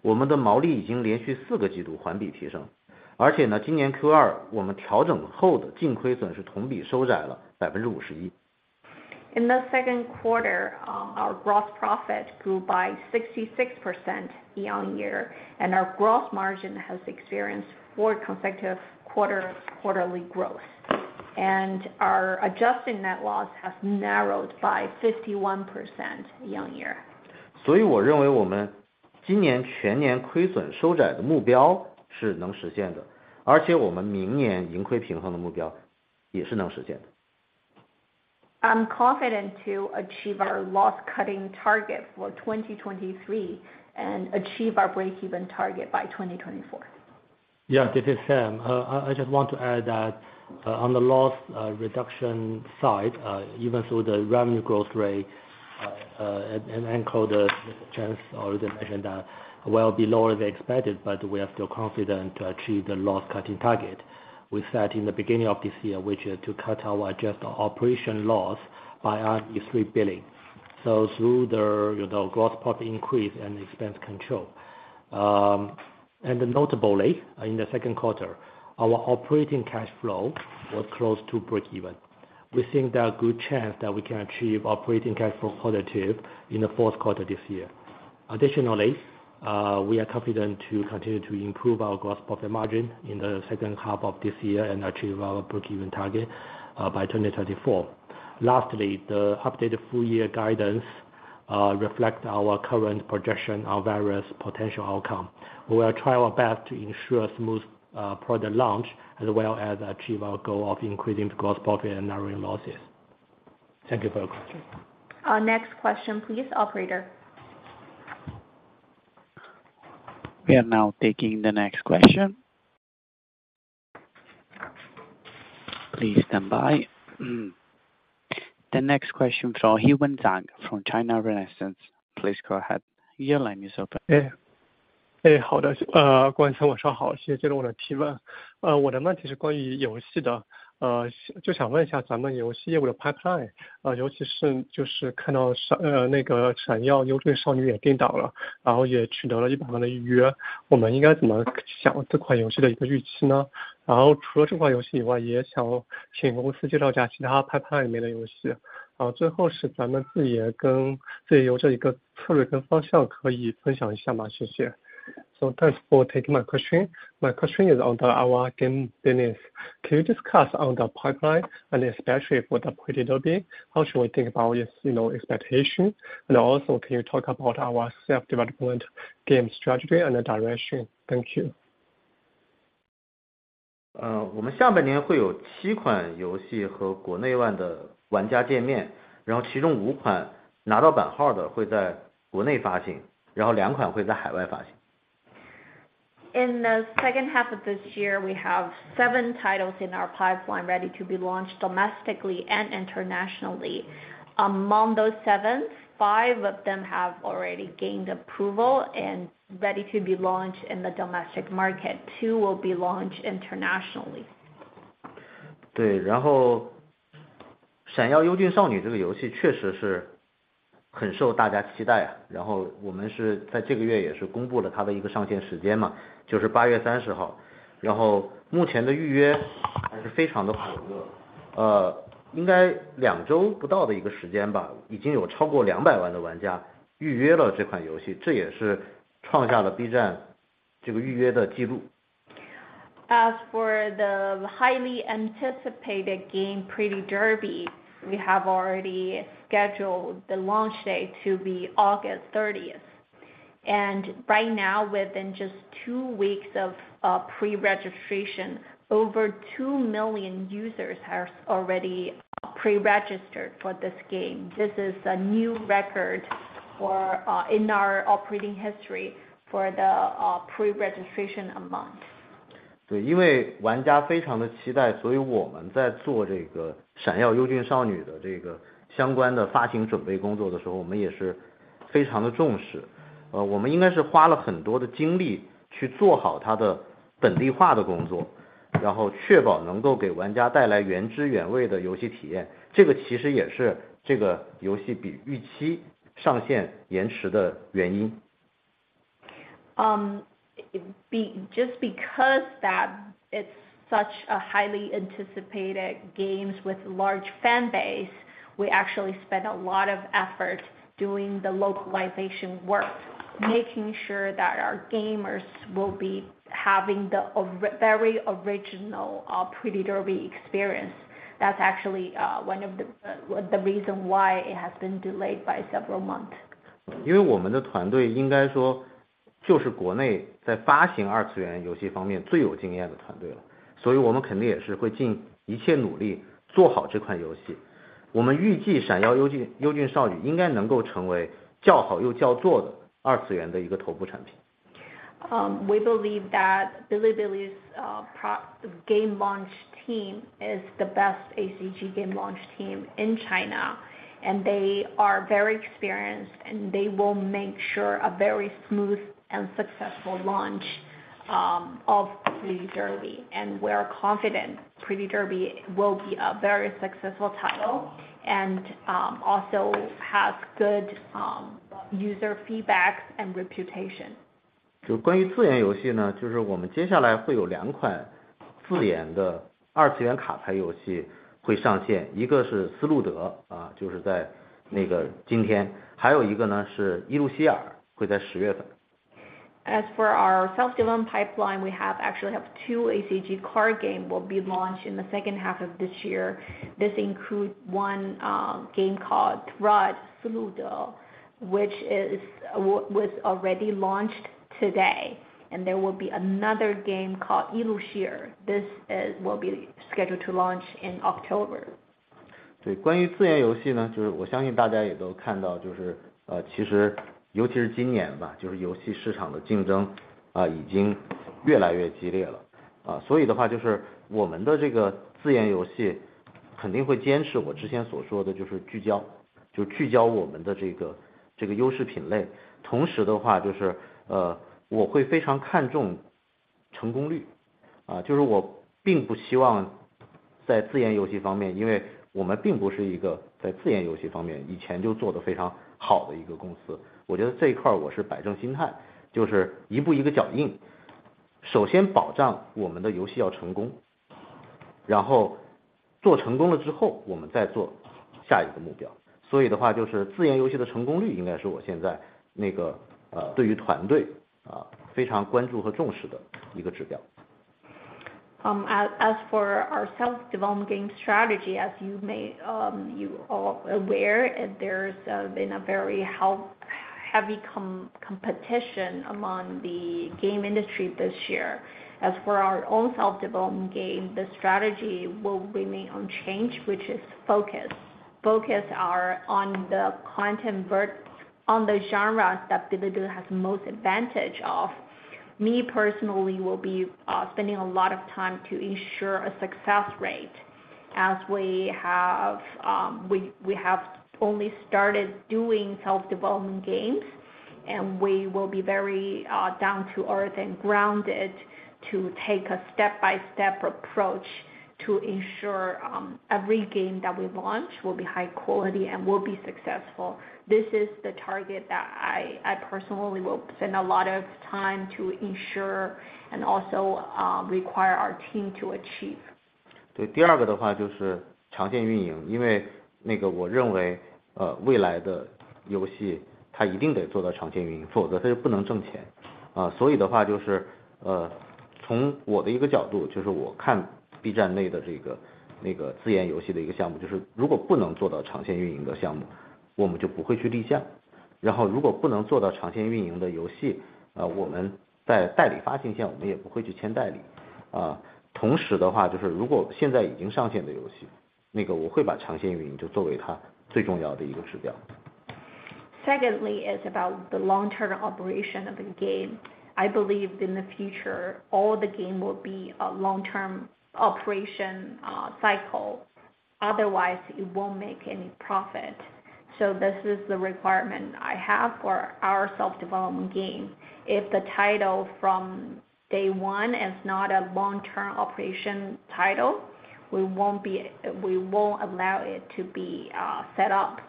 我们的毛利已经连续四个季度环比提 升， 而且 呢， 今年 Q 二我们调整后的净亏损是同比收窄了百分之五十一。In the second quarter, our gross profit grew by 66% year-on-year, and our gross margin has experienced 4 consecutive quarter quarterly growth, and our adjusted net loss has narrowed by 51% year-on-year. 我认为我们今年全年亏损收窄的目标是能实现 的， 而且我们明年盈亏平衡的目标也是能实现的。I'm confident to achieve our loss cutting target for 2023 and achieve our breakeven target by 2024. Yeah, this is Xin. I just want to add that on the loss reduction side, even so, the revenue growth rate, and encode the chance already mentioned that well below the expected, but we are still confident to achieve the loss cutting target we set in the beginning of this year, which is to cut our adjusted operation loss by 3 billion. Through the, you know, gross profit increase and expense control. Notably, in the second quarter, our operating cash flow was close to breakeven. We think there are good chance that we can achieve operating cash flow positive in the fourth quarter this year. Additionally, we are confident to continue to improve our gross profit margin in the second half of this year and achieve our breakeven target by 2024. Lastly, the updated full year guidance reflects our current projection of various potential outcome. We will try our best to ensure a smooth product launch as well as achieve our goal of increasing gross profit and narrowing losses. Thank you for your question. Next question, please, operator. We are now taking the next question. Please stand by. The next question from Yiwen Zhang from China Renaissance. Please go ahead. Your line is open. 哎， 哎， 好的。呃， 关心我说 好， 谢 谢！ 接着我的提问。呃， 我的问题是关于游戏 的， 呃， 就想问一下咱们游戏业务的 pipeline， 啊尤其是就是看到 闪， 呃， 那个闪耀优俊少女也定档 了， 然后也取得了一百万的预 约， 我们应该怎么想这款游戏的一个预期 呢？ 然后除了这款游戏以 外， 也想请公司介绍一下其他 pipeline 里面的游戏。好， 最后是咱们自己也跟自由这一个策略跟方向可以分享一下 吗？ 谢 谢！ So thanks for taking my question. My question is on the our game business. Can you discuss on the pipeline and especially for the Pretty Derby, how should we think about this, you know, expectation? Also, can you talk about our self-development game strategy and the direction? Thank you. 呃， 我们下半年会有七款游戏和国内外的玩家见 面， 然后其中五款拿到版号的会在国内发 行， 然后两款会在海外发行。In the second half of this year, we have seven titles in our pipeline ready to be launched domestically and internationally. Among those seven, five of them have already gained approval and ready to be launched in the domestic market, two will be launched internationally. 对， 然后闪耀优俊少女这个游戏确实是很受大家期待 啊， 然后我们是在这个月也是公布了它的一个上线时间 嘛， 就是八月三十 号， 然后目前的预约还是非常的火 热， 呃， 应该两周不到的一个时间 吧， 已经有超过两百万的玩家预约了这款游 戏， 这也是创下了 B 站这个预约的记录。As for the highly anticipated game, Pretty Derby, we have already scheduled the launch day to be August thirtieth. Right now, within just two weeks of pre-registration, over 2 million users are already pre-registered for this game. This is a new record for in our operating history for the pre-registration amount. 对， 因为玩家非常的期 待， 所以我们在做这个闪耀优俊少女的这个相关的发行准备工作的时 候， 我们也 是...... 非常的重 视， 呃， 我们应该是花了很多的精力去做好它的本地化的工 作， 然后确保能够给玩家带来原汁原味的游戏体 验， 这个其实也是这个游戏比预期上线延迟的原因。Just because that it's such a highly anticipated games with large fan base, we actually spend a lot of effort doing the localization work, making sure that our gamers will be having the a re- very original Pretty Derby experience. That's actually one of the, the reason why it has been delayed by several month. 因为我们的团队应该说就是国内在发行二次元游戏方面最有经验的团队 了， 所以我们肯定也是会尽一切努力做好这款游戏。我们预计闪耀优 俊， 优俊少女应该能够成为较好又较做的二次元的一个头部产品。We believe that Bilibili's pro game launch team is the best ACG game launch team in China, and they are very experienced, and they will make sure a very smooth and successful launch of Pretty Derby, and we're confident Pretty Derby will be a very successful title, and also have good user feedbacks and reputation. 关于自研游 戏， 我们接下来会有2款自研的二次元卡牌游戏会上 线， 一个是 斯露德， 在今 天， 还有一个是 依露希尔， 会在10月份。As for our self-development pipeline, we have actually have two ACG card game will be launched in the second half of this year. This includes 1 game called Thrud, which is was already launched today, and there will be another game called Eruthyll. This is will be scheduled to launch in October. 对， 关于自研游戏 呢， 就是我相信大家也都看 到， 就 是， 呃， 其实尤其是今年 吧， 就是游戏市场的竞 争， 啊， 已经越来越激烈了。啊， 所以的 话， 就是我们的这个自研游戏肯定会坚持我之前所说 的， 就是聚 焦， 就聚焦我们的这 个， 这个优势品类。同时的 话， 就 是， 呃， 我会非常看重成功 率， 啊， 就是我并不希望在自研游戏方 面， 因为我们并不是一个在自研游戏方面以前就做得非常好的一个公司，我觉得这一块我是摆正心 态， 就是一步一个脚 印， 首先保障我们的游戏要成 功， 然后做成功了之 后， 我们再做下一个目标。所以的 话， 就是自研游戏的成功率应该是我现在那 个， 呃， 对于团 队， 啊， 非常关注和重视的一个指标。As for our self-development game strategy, as you may, you all aware, there's been a very heavy competition among the game industry this year. As for our own self-development game, the strategy will remain unchanged, which is focus, focus our on the content on the genres that Bilibili has most advantage of. Me personally, will be spending a lot of time to ensure a success rate, as we have, we, we have only started doing self-development games, and we will be very down to earth and grounded to take a step by step approach to ensure every game that we launch will be high quality and will be successful. This is the target that I, I personally will spend a lot of time to ensure and also require our team to achieve. 对， 第二个的话就是长线运 营， 因为那个我认为， 呃， 未来的游戏它一定得做到长线运 营， 否则它就不能挣钱。啊， 所以的 话， 就 是， 呃， 从我的一个角 度， 就是我看 B 站内的这 个， 那个自研游戏的一个项 目， 就是如果不能做到长线运营的项 目， 我们就不会去立 项， 然后如果不能做到长线运营的游 戏， 呃， 我们在代理发行线我们也不会去签代理。啊， 同时的 话， 就是如果现在已经上线的游 戏， 那个我会把长线运营就作为它最重要的一个指标。Secondly, is about the long-term operation of the game. I believe in the future, all the game will be a long-term operation cycle, otherwise it won't make any profit. This is the requirement I have for our self-development game. If the title from day one is not a long-term operation title, we won't be, we won't allow it to be set up.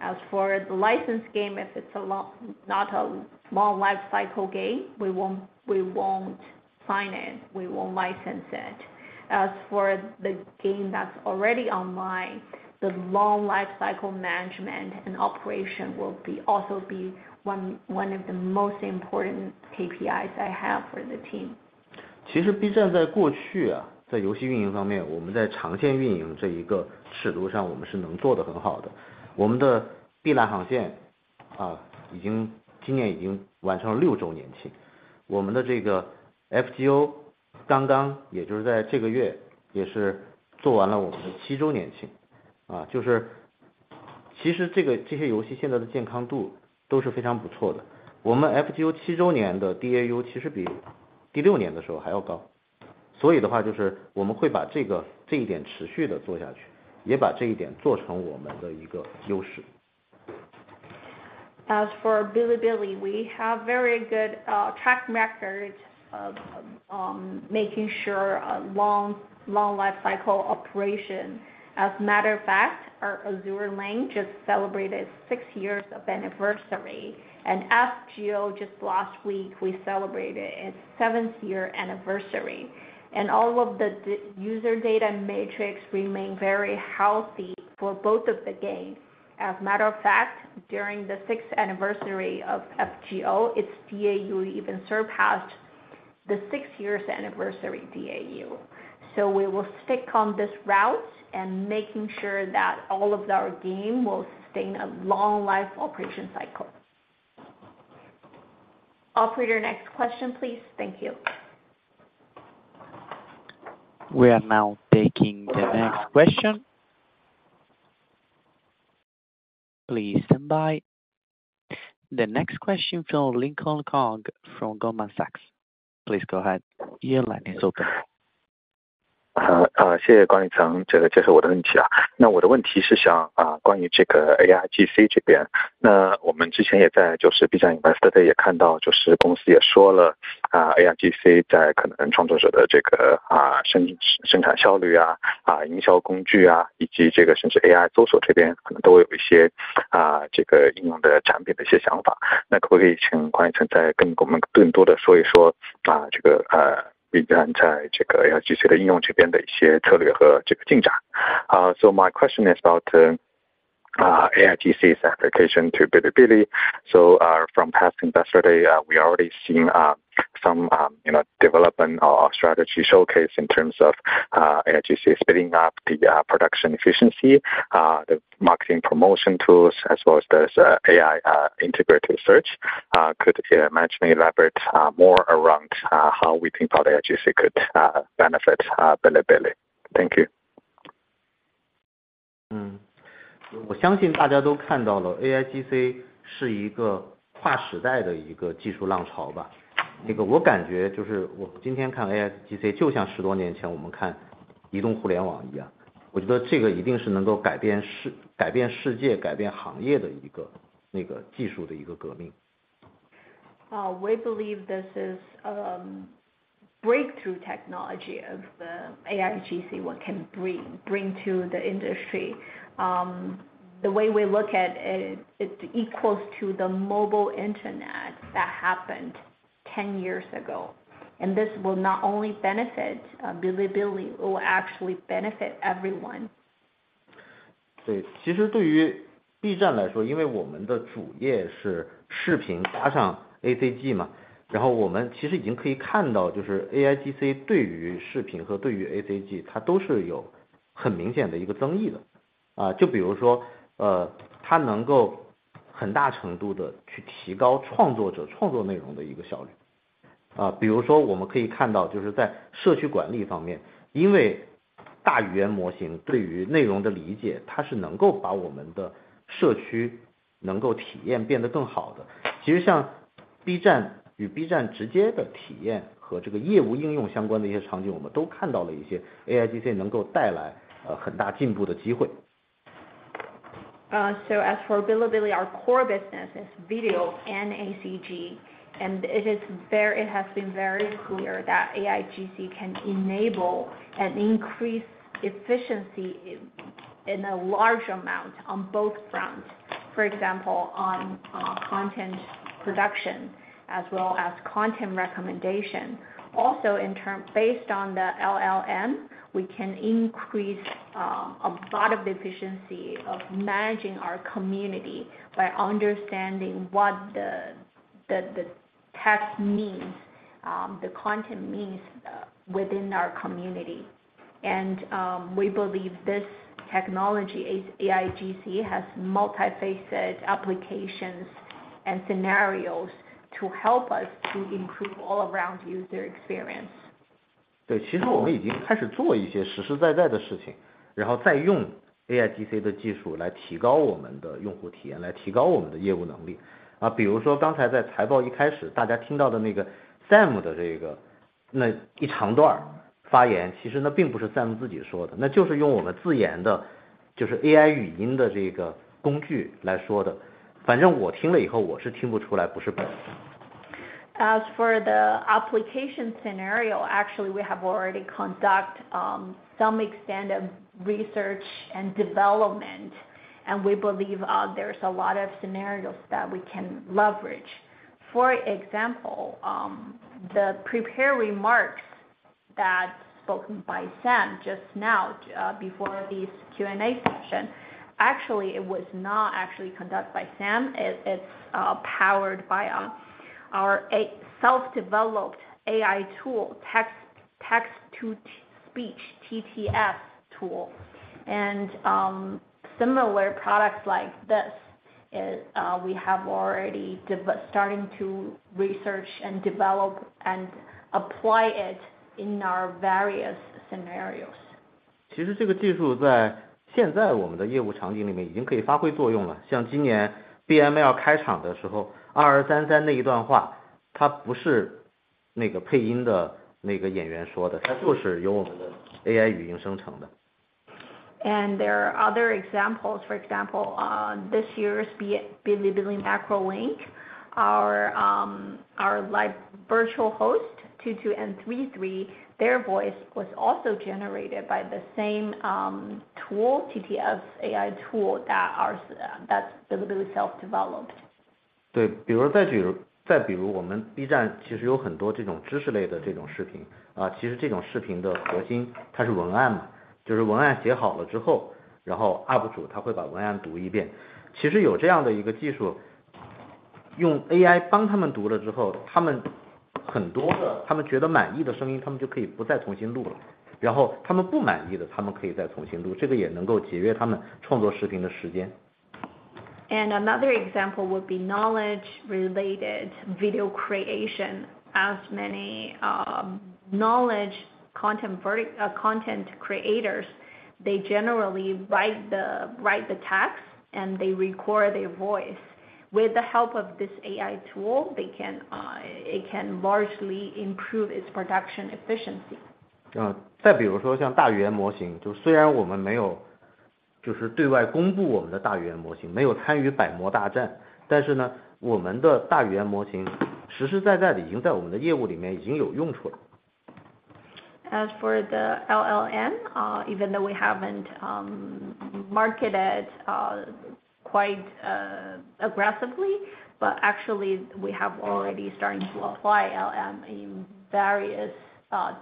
As for the licensed game, if it's not a long-life cycle game, we won't, we won't sign it, we won't license it. As for the game that's already online, the long-life cycle management and operation will be also be one, one of the most important KPIs I have for the team. 其实 B 站在过 去, 在游戏运营方 面, 我们在长线运营这一个尺度 上, 我们是能做得很好 的. 我们的 Azur Lane, 已经今年已经完成了6周年 庆, 我们的这个 FGO 刚刚也就是在这个 月, 也是做完了我们的7周年 庆. 就是其实这个这些游戏现在的健康度都是非常不错 的, 我们 FGO 7周年的 DAU 其实比第6年的时候还要 高. 我们会把这个这一点持续地做下 去， 也把这一点做成我们的一个优势。As for Bilibili, we have very good track records of making sure a long, long life cycle operation. As a matter of fact, our Azur Lane just celebrated 6 years of anniversary, and FGO just last week, we celebrated its seventh year anniversary, and all of the user data and metrics remain very healthy for both of the games. As a matter of fact, during the sixth anniversary of FGO, its DAU even surpassed the six years anniversary DAU. We will stick on this route and making sure that all of our game will sustain a long life operation cycle. Operator, next question, please. Thank you. We are now taking the next question. Please stand by. The next question from Lincoln Kong from Goldman Sachs. Please go ahead. Your line is open. 好， 谢谢观丽 程， 这个这是我的问题了。我的问题是想关于这个 AIGC 这 边， 我们之前也在就是 B 站 Investor Day 也看 到， 就是公司也说 了， AIGC 在可能创作者的这个生产效率、营销工 具， 以及这个甚至 AI 搜索这边可能都会有一些这个应用的产品的一些想 法， 可不可以请观丽程再跟我们更多的说一说这个 B 站在这个 AIGC 的应用这边的一些策略和这个进展。My question is about AIGC's application to Bilibili. From past Investor Day, we already seen some, you know, development or strategy showcase in terms of AIGC speeding up the production efficiency, the marketing promotion tools, as well as this AI integrated search. Could you imagine elaborate more around how we think about AIGC could benefit Bilibili? Thank you. 我相信大家都看到 了，AIGC 是一个跨时代的一个技术浪潮吧。这个我感觉就是我今天看 AIGC， 就像10多年前我们看移动互联网一 样， 我觉得这个一定是能够改变世 界， 改变行业的一个那个技术的一个革命。We believe this is breakthrough technology of the AIGC, what can bring, bring to the industry. The way we look at it, it equals to the mobile Internet that happened 10 years ago, and this will not only benefit Bilibili, it will actually benefit everyone. 对，其 实对于 B 站来 说，因 为我们的主业是视频加上 ACG 嘛，我 们其实已经可以看 到，就 是 AIGC 对于视频和对于 ACG，它 都是有很明显的一个增益的。就比如 说，它 能够很大程度地去提高创作者创作内容的一个效率。比如说我们可以看到就是在社区管理方 面，因 为大语言模型对于内容的理 解，它 是能够把我们的社区能够体验变得更好的。其实像 B 站与 B 站直接的体验和这个业务应用相关的一些场 景，我 们都看到了一些 AIGC 能够带 来，很 大进步的机会。As for Bilibili, our core business is video and ACG, and it has been very clear that AIGC can enable an increased efficiency in a large amount on both fronts. For example, on content production as well as content recommendation. Also, based on the LLM, we can increase a lot of the efficiency of managing our community by understanding what the text means, the content means within our community. We believe this technology, AIGC, has multifaceted applications and scenarios to help us to improve all around user experience. 对， 其实我们已经开始做一些实实在在的事 情， 然后再用 AIGC 的技术来提高我们的用户体 验， 来提高我们的业务能力。啊， 比如说刚才在财报一开始大家听到的那个 Xin 的这个那一长段发 言， 其实那并不是 Xin 自己说 的， 那就是用我们自研 的， 就是 AI 语音的这个工具来说的。反正我听了以 后， 我是听不出来不是本人的。As for the application scenario, actually we have already conduct some extent of research and development, and we believe there's a lot of scenarios that we can leverage. For example, the prepared remarks that spoken by Xin just now, before this Q&A session. Actually, it was not actually conducted by Xin. It, it's powered by our a self-developed AI tool, text, text to speech, TTS tool. Similar products like this is, we have already starting to research and develop and apply it in our various scenarios.... 其实这个技术在现在我们的业务场景里面已经可以发挥作用了。像今年 BML 开场的时 候， 二二三三那一段 话， 它不是那个配音的那个演员说 的， 它就是由我们的 AI 语音生成的。There are other examples, for example, this year's Bilibili Macro Link, our live virtual host 22 and 33, their voice was also generated by the same tool, TTS AI tool that ours, that's Bilibili self-developed. 对， 比如再 举， 再比如我们 B 站其实有很多这种知识类的这种视 频， 其实这种视频的核心它是文案 嘛， 就是文案写好了之 后， 然后 Up 主他会把文案读一遍。其实有这样的一个技 术， 用 AI 帮他们读了之 后， 他们很多的他们觉得满意的声 音， 他们就可以不再重新录 了， 然后他们不满意的他们可以再重新 录， 这个也能够节约他们创作视频的时间。Another example would be knowledge related video creation. As many, knowledge content creators, they generally write the, write the text, and they record their voice. With the help of this AI tool, they can, it can largely improve its production efficiency. 嗯， 再比如说像大语言模 型， 就虽然我们没有就是对外公布我们的大语言模 型， 没有参与百模大 战， 但是 呢， 我们的大语言模型实实在在的已经在我们的业务里面已经有用处了。As for the LLM, even though we haven't, marketed, quite, aggressively, but actually we have already starting to apply LLM in various,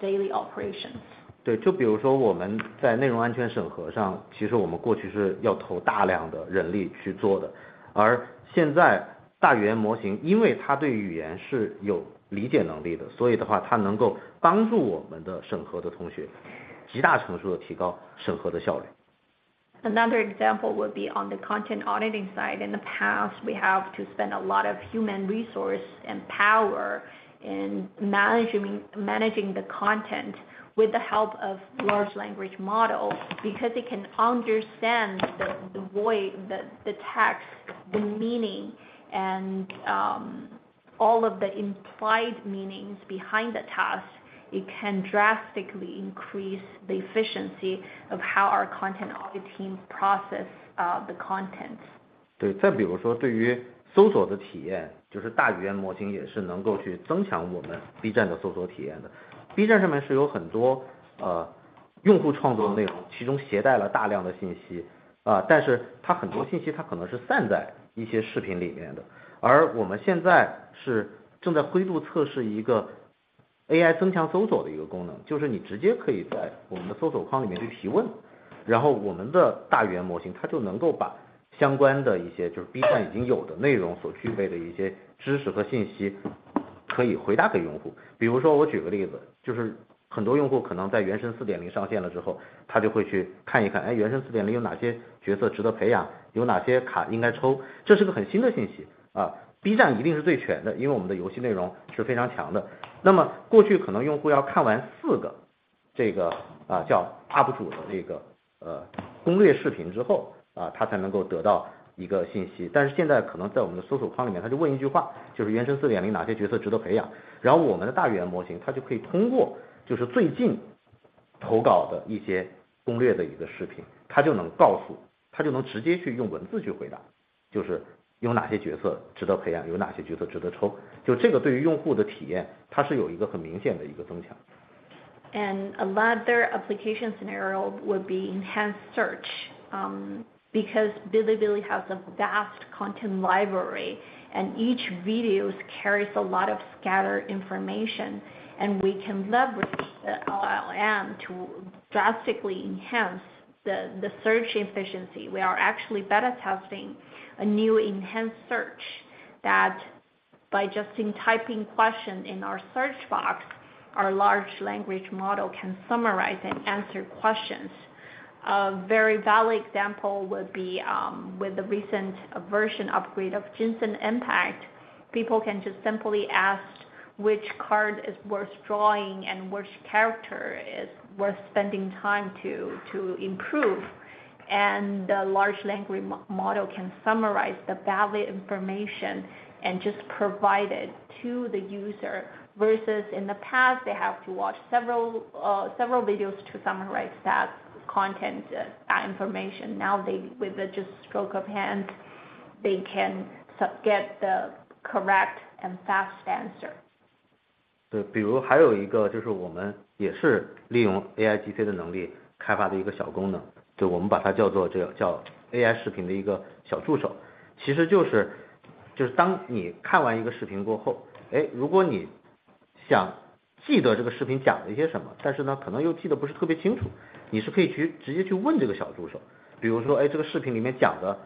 daily operations. 对， 就比如说我们在内容安全审核 上， 其实我们过去是要投大量的人力去做 的， 而现在大语言模型因为它对语言是有理解能力 的， 所以的话它能够帮助我们的审核的同学极大程度地提高审核的效率。Another example would be on the content auditing side. In the past, we have to spend a lot of human resource and power in managing the content. With the help of large language model, because it can understand the way, the text, the meaning, and all of the implied meanings behind the task, it can drastically increase the efficiency of how our content audit teams process the content. 对， 再比如说对于搜索的体 验， 就是大语言模型也是能够去增强我们 B 站的搜索体验的。B 站上面是有很 多， 呃， 用户创作的内 容， 其中携带了大量的信 息， 呃， 但是它很多信息它可能是散在一些视频里面 的， 而我们现在是正在灰度测试一个 AI 增强搜索的一个功 能， 就是你直接可以在我们的搜索框里面去提 问， 然后我们的大语言模型它就能够把相关的一些就是 B 站已经有的内容所具备的一些知识和信息可以回答给用户。比如说我举个例 子， 就是很多用户可能在原神四点零上线了之 后， 他就会去看一 看， 哎， 原神四点零有哪些角色值得培 养， 有哪些卡应该 抽？ 这是个很新的信息 啊， B 站一定是最全 的， 因为我们的游戏内容是非常强的。那么过去可能用户要看完四个这 个， 呃， 叫 Up 主的这 个， 呃， 攻略视频之 后， 啊， 他才能够得到一个信息。但是现在可能在我们的搜索框里 面， 他就问一句 话， 就是原神四点零哪些角色值得培 养？ 然后我们的大语言模 型， 它就可以通 过， 就是最近投稿的一些攻略的一个视 频， 它就能告 诉， 他就能直接去用文字去回 答， 就是有哪些角色值得培 养， 有哪些角色值得抽。就这个对于用户的体 验， 它是有一个很明显的一个增强。Another application scenario would be enhanced search. Because Bilibili has a vast content library, and each video carries a lot of scattered information, and we can leverage the LLM to drastically enhance the search efficiency. We are actually beta testing a new enhanced search that by just in typing questions in our search box, our large language model can summarize and answer questions. A very valid example would be with the recent version upgrade of Genshin Impact, people can just simply ask which card is worth drawing and which character is worth spending time to improve. The large language model can summarize the valid information and just provide it to the user. Versus in the past, they have to watch several, several videos to summarize that content, that information. Now they with a just stroke of hand, they can so get the correct and fast answer. 对， 比如还有一个就是我们也是利用 AIGC 的能力开发的一个小功 能， 就我们把它叫做 叫， 叫 AI 视频的一个小助手。其实就 是， 就是当你看完一个视频过 后， 哎， 如果你想记得这个视频讲了一些什 么， 但是 呢， 可能又记得不是特别清楚，你是可以去直接去问这个小助手。比如 说， 哎， 这个视频里面讲的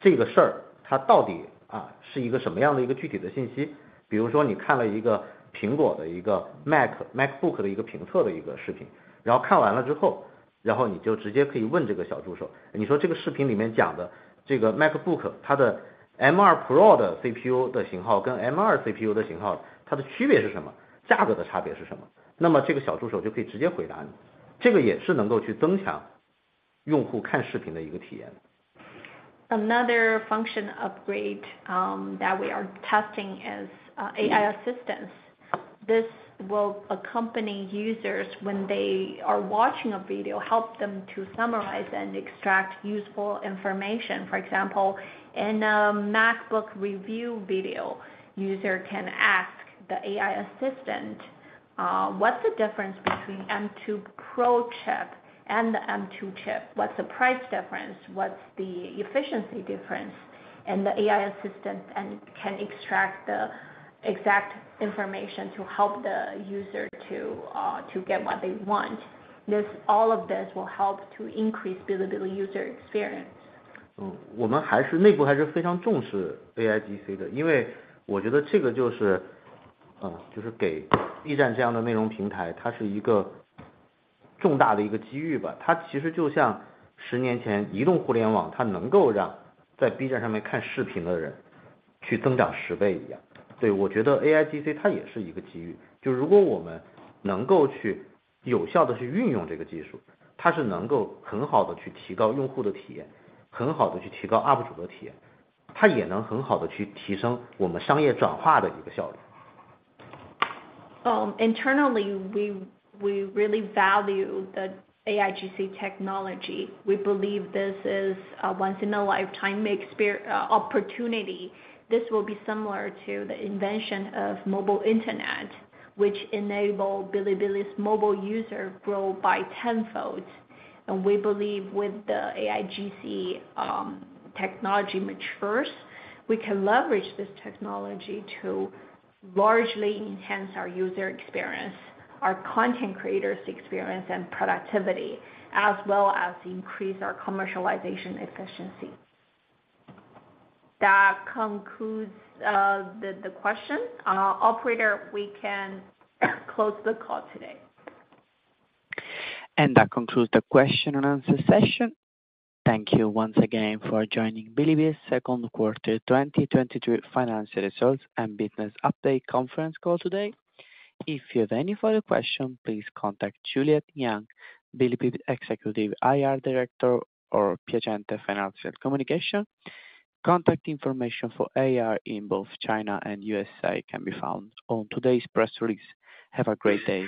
这个事 儿， 它到 底， 啊， 是一个什么样的一个具体的信 息？ 比如说你看了一个苹果的一个 Mac， MacBook 的一个评测的一个视 频， 然后看完了之 后， 然后你就直接可以问这个小助 手， 你说这个视频里面讲的这个 MacBook， 它的 M2 Pro 的 CPU 的型号跟 M2 CPU 的型号它的区别是什 么？ 价格的差别是什 么？ 那么这个小助手就可以直接回答你，这个也是能够去增强用户看视频的一个体验。...Another function upgrade that we are testing is AI assistance. This will accompany users when they are watching a video, help them to summarize and extract useful information. For example, in a MacBook review video, user can ask the AI assistant what's the difference between M2 Pro chip and the M2 chip? What's the price difference? What's the efficiency difference? The AI assistant can extract the exact information to help the user to get what they want. All of this will help to increase Bilibili user experience. Internally, we really value the AIGC technology. We believe this is a once-in-a-lifetime opportunity. This will be similar to the invention of mobile internet, which enable Bilibili's mobile user grow by tenfolds. We believe with the AIGC technology matures, we can leverage this technology to largely enhance our user experience, our content creators' experience and productivity, as well as increase our commercialization efficiency. That concludes the, the question. Operator, we can close the call today. That concludes the question-and-answer session. Thank you once again for joining Bilibili's second quarter, 2022 financial results and business update conference call today. If you have any further question, please contact Juliet Yang, Bilibili's Executive IR Director, or Piacente Financial Communications. Contact information for IR in both China and USA can be found on today's press release. Have a great day.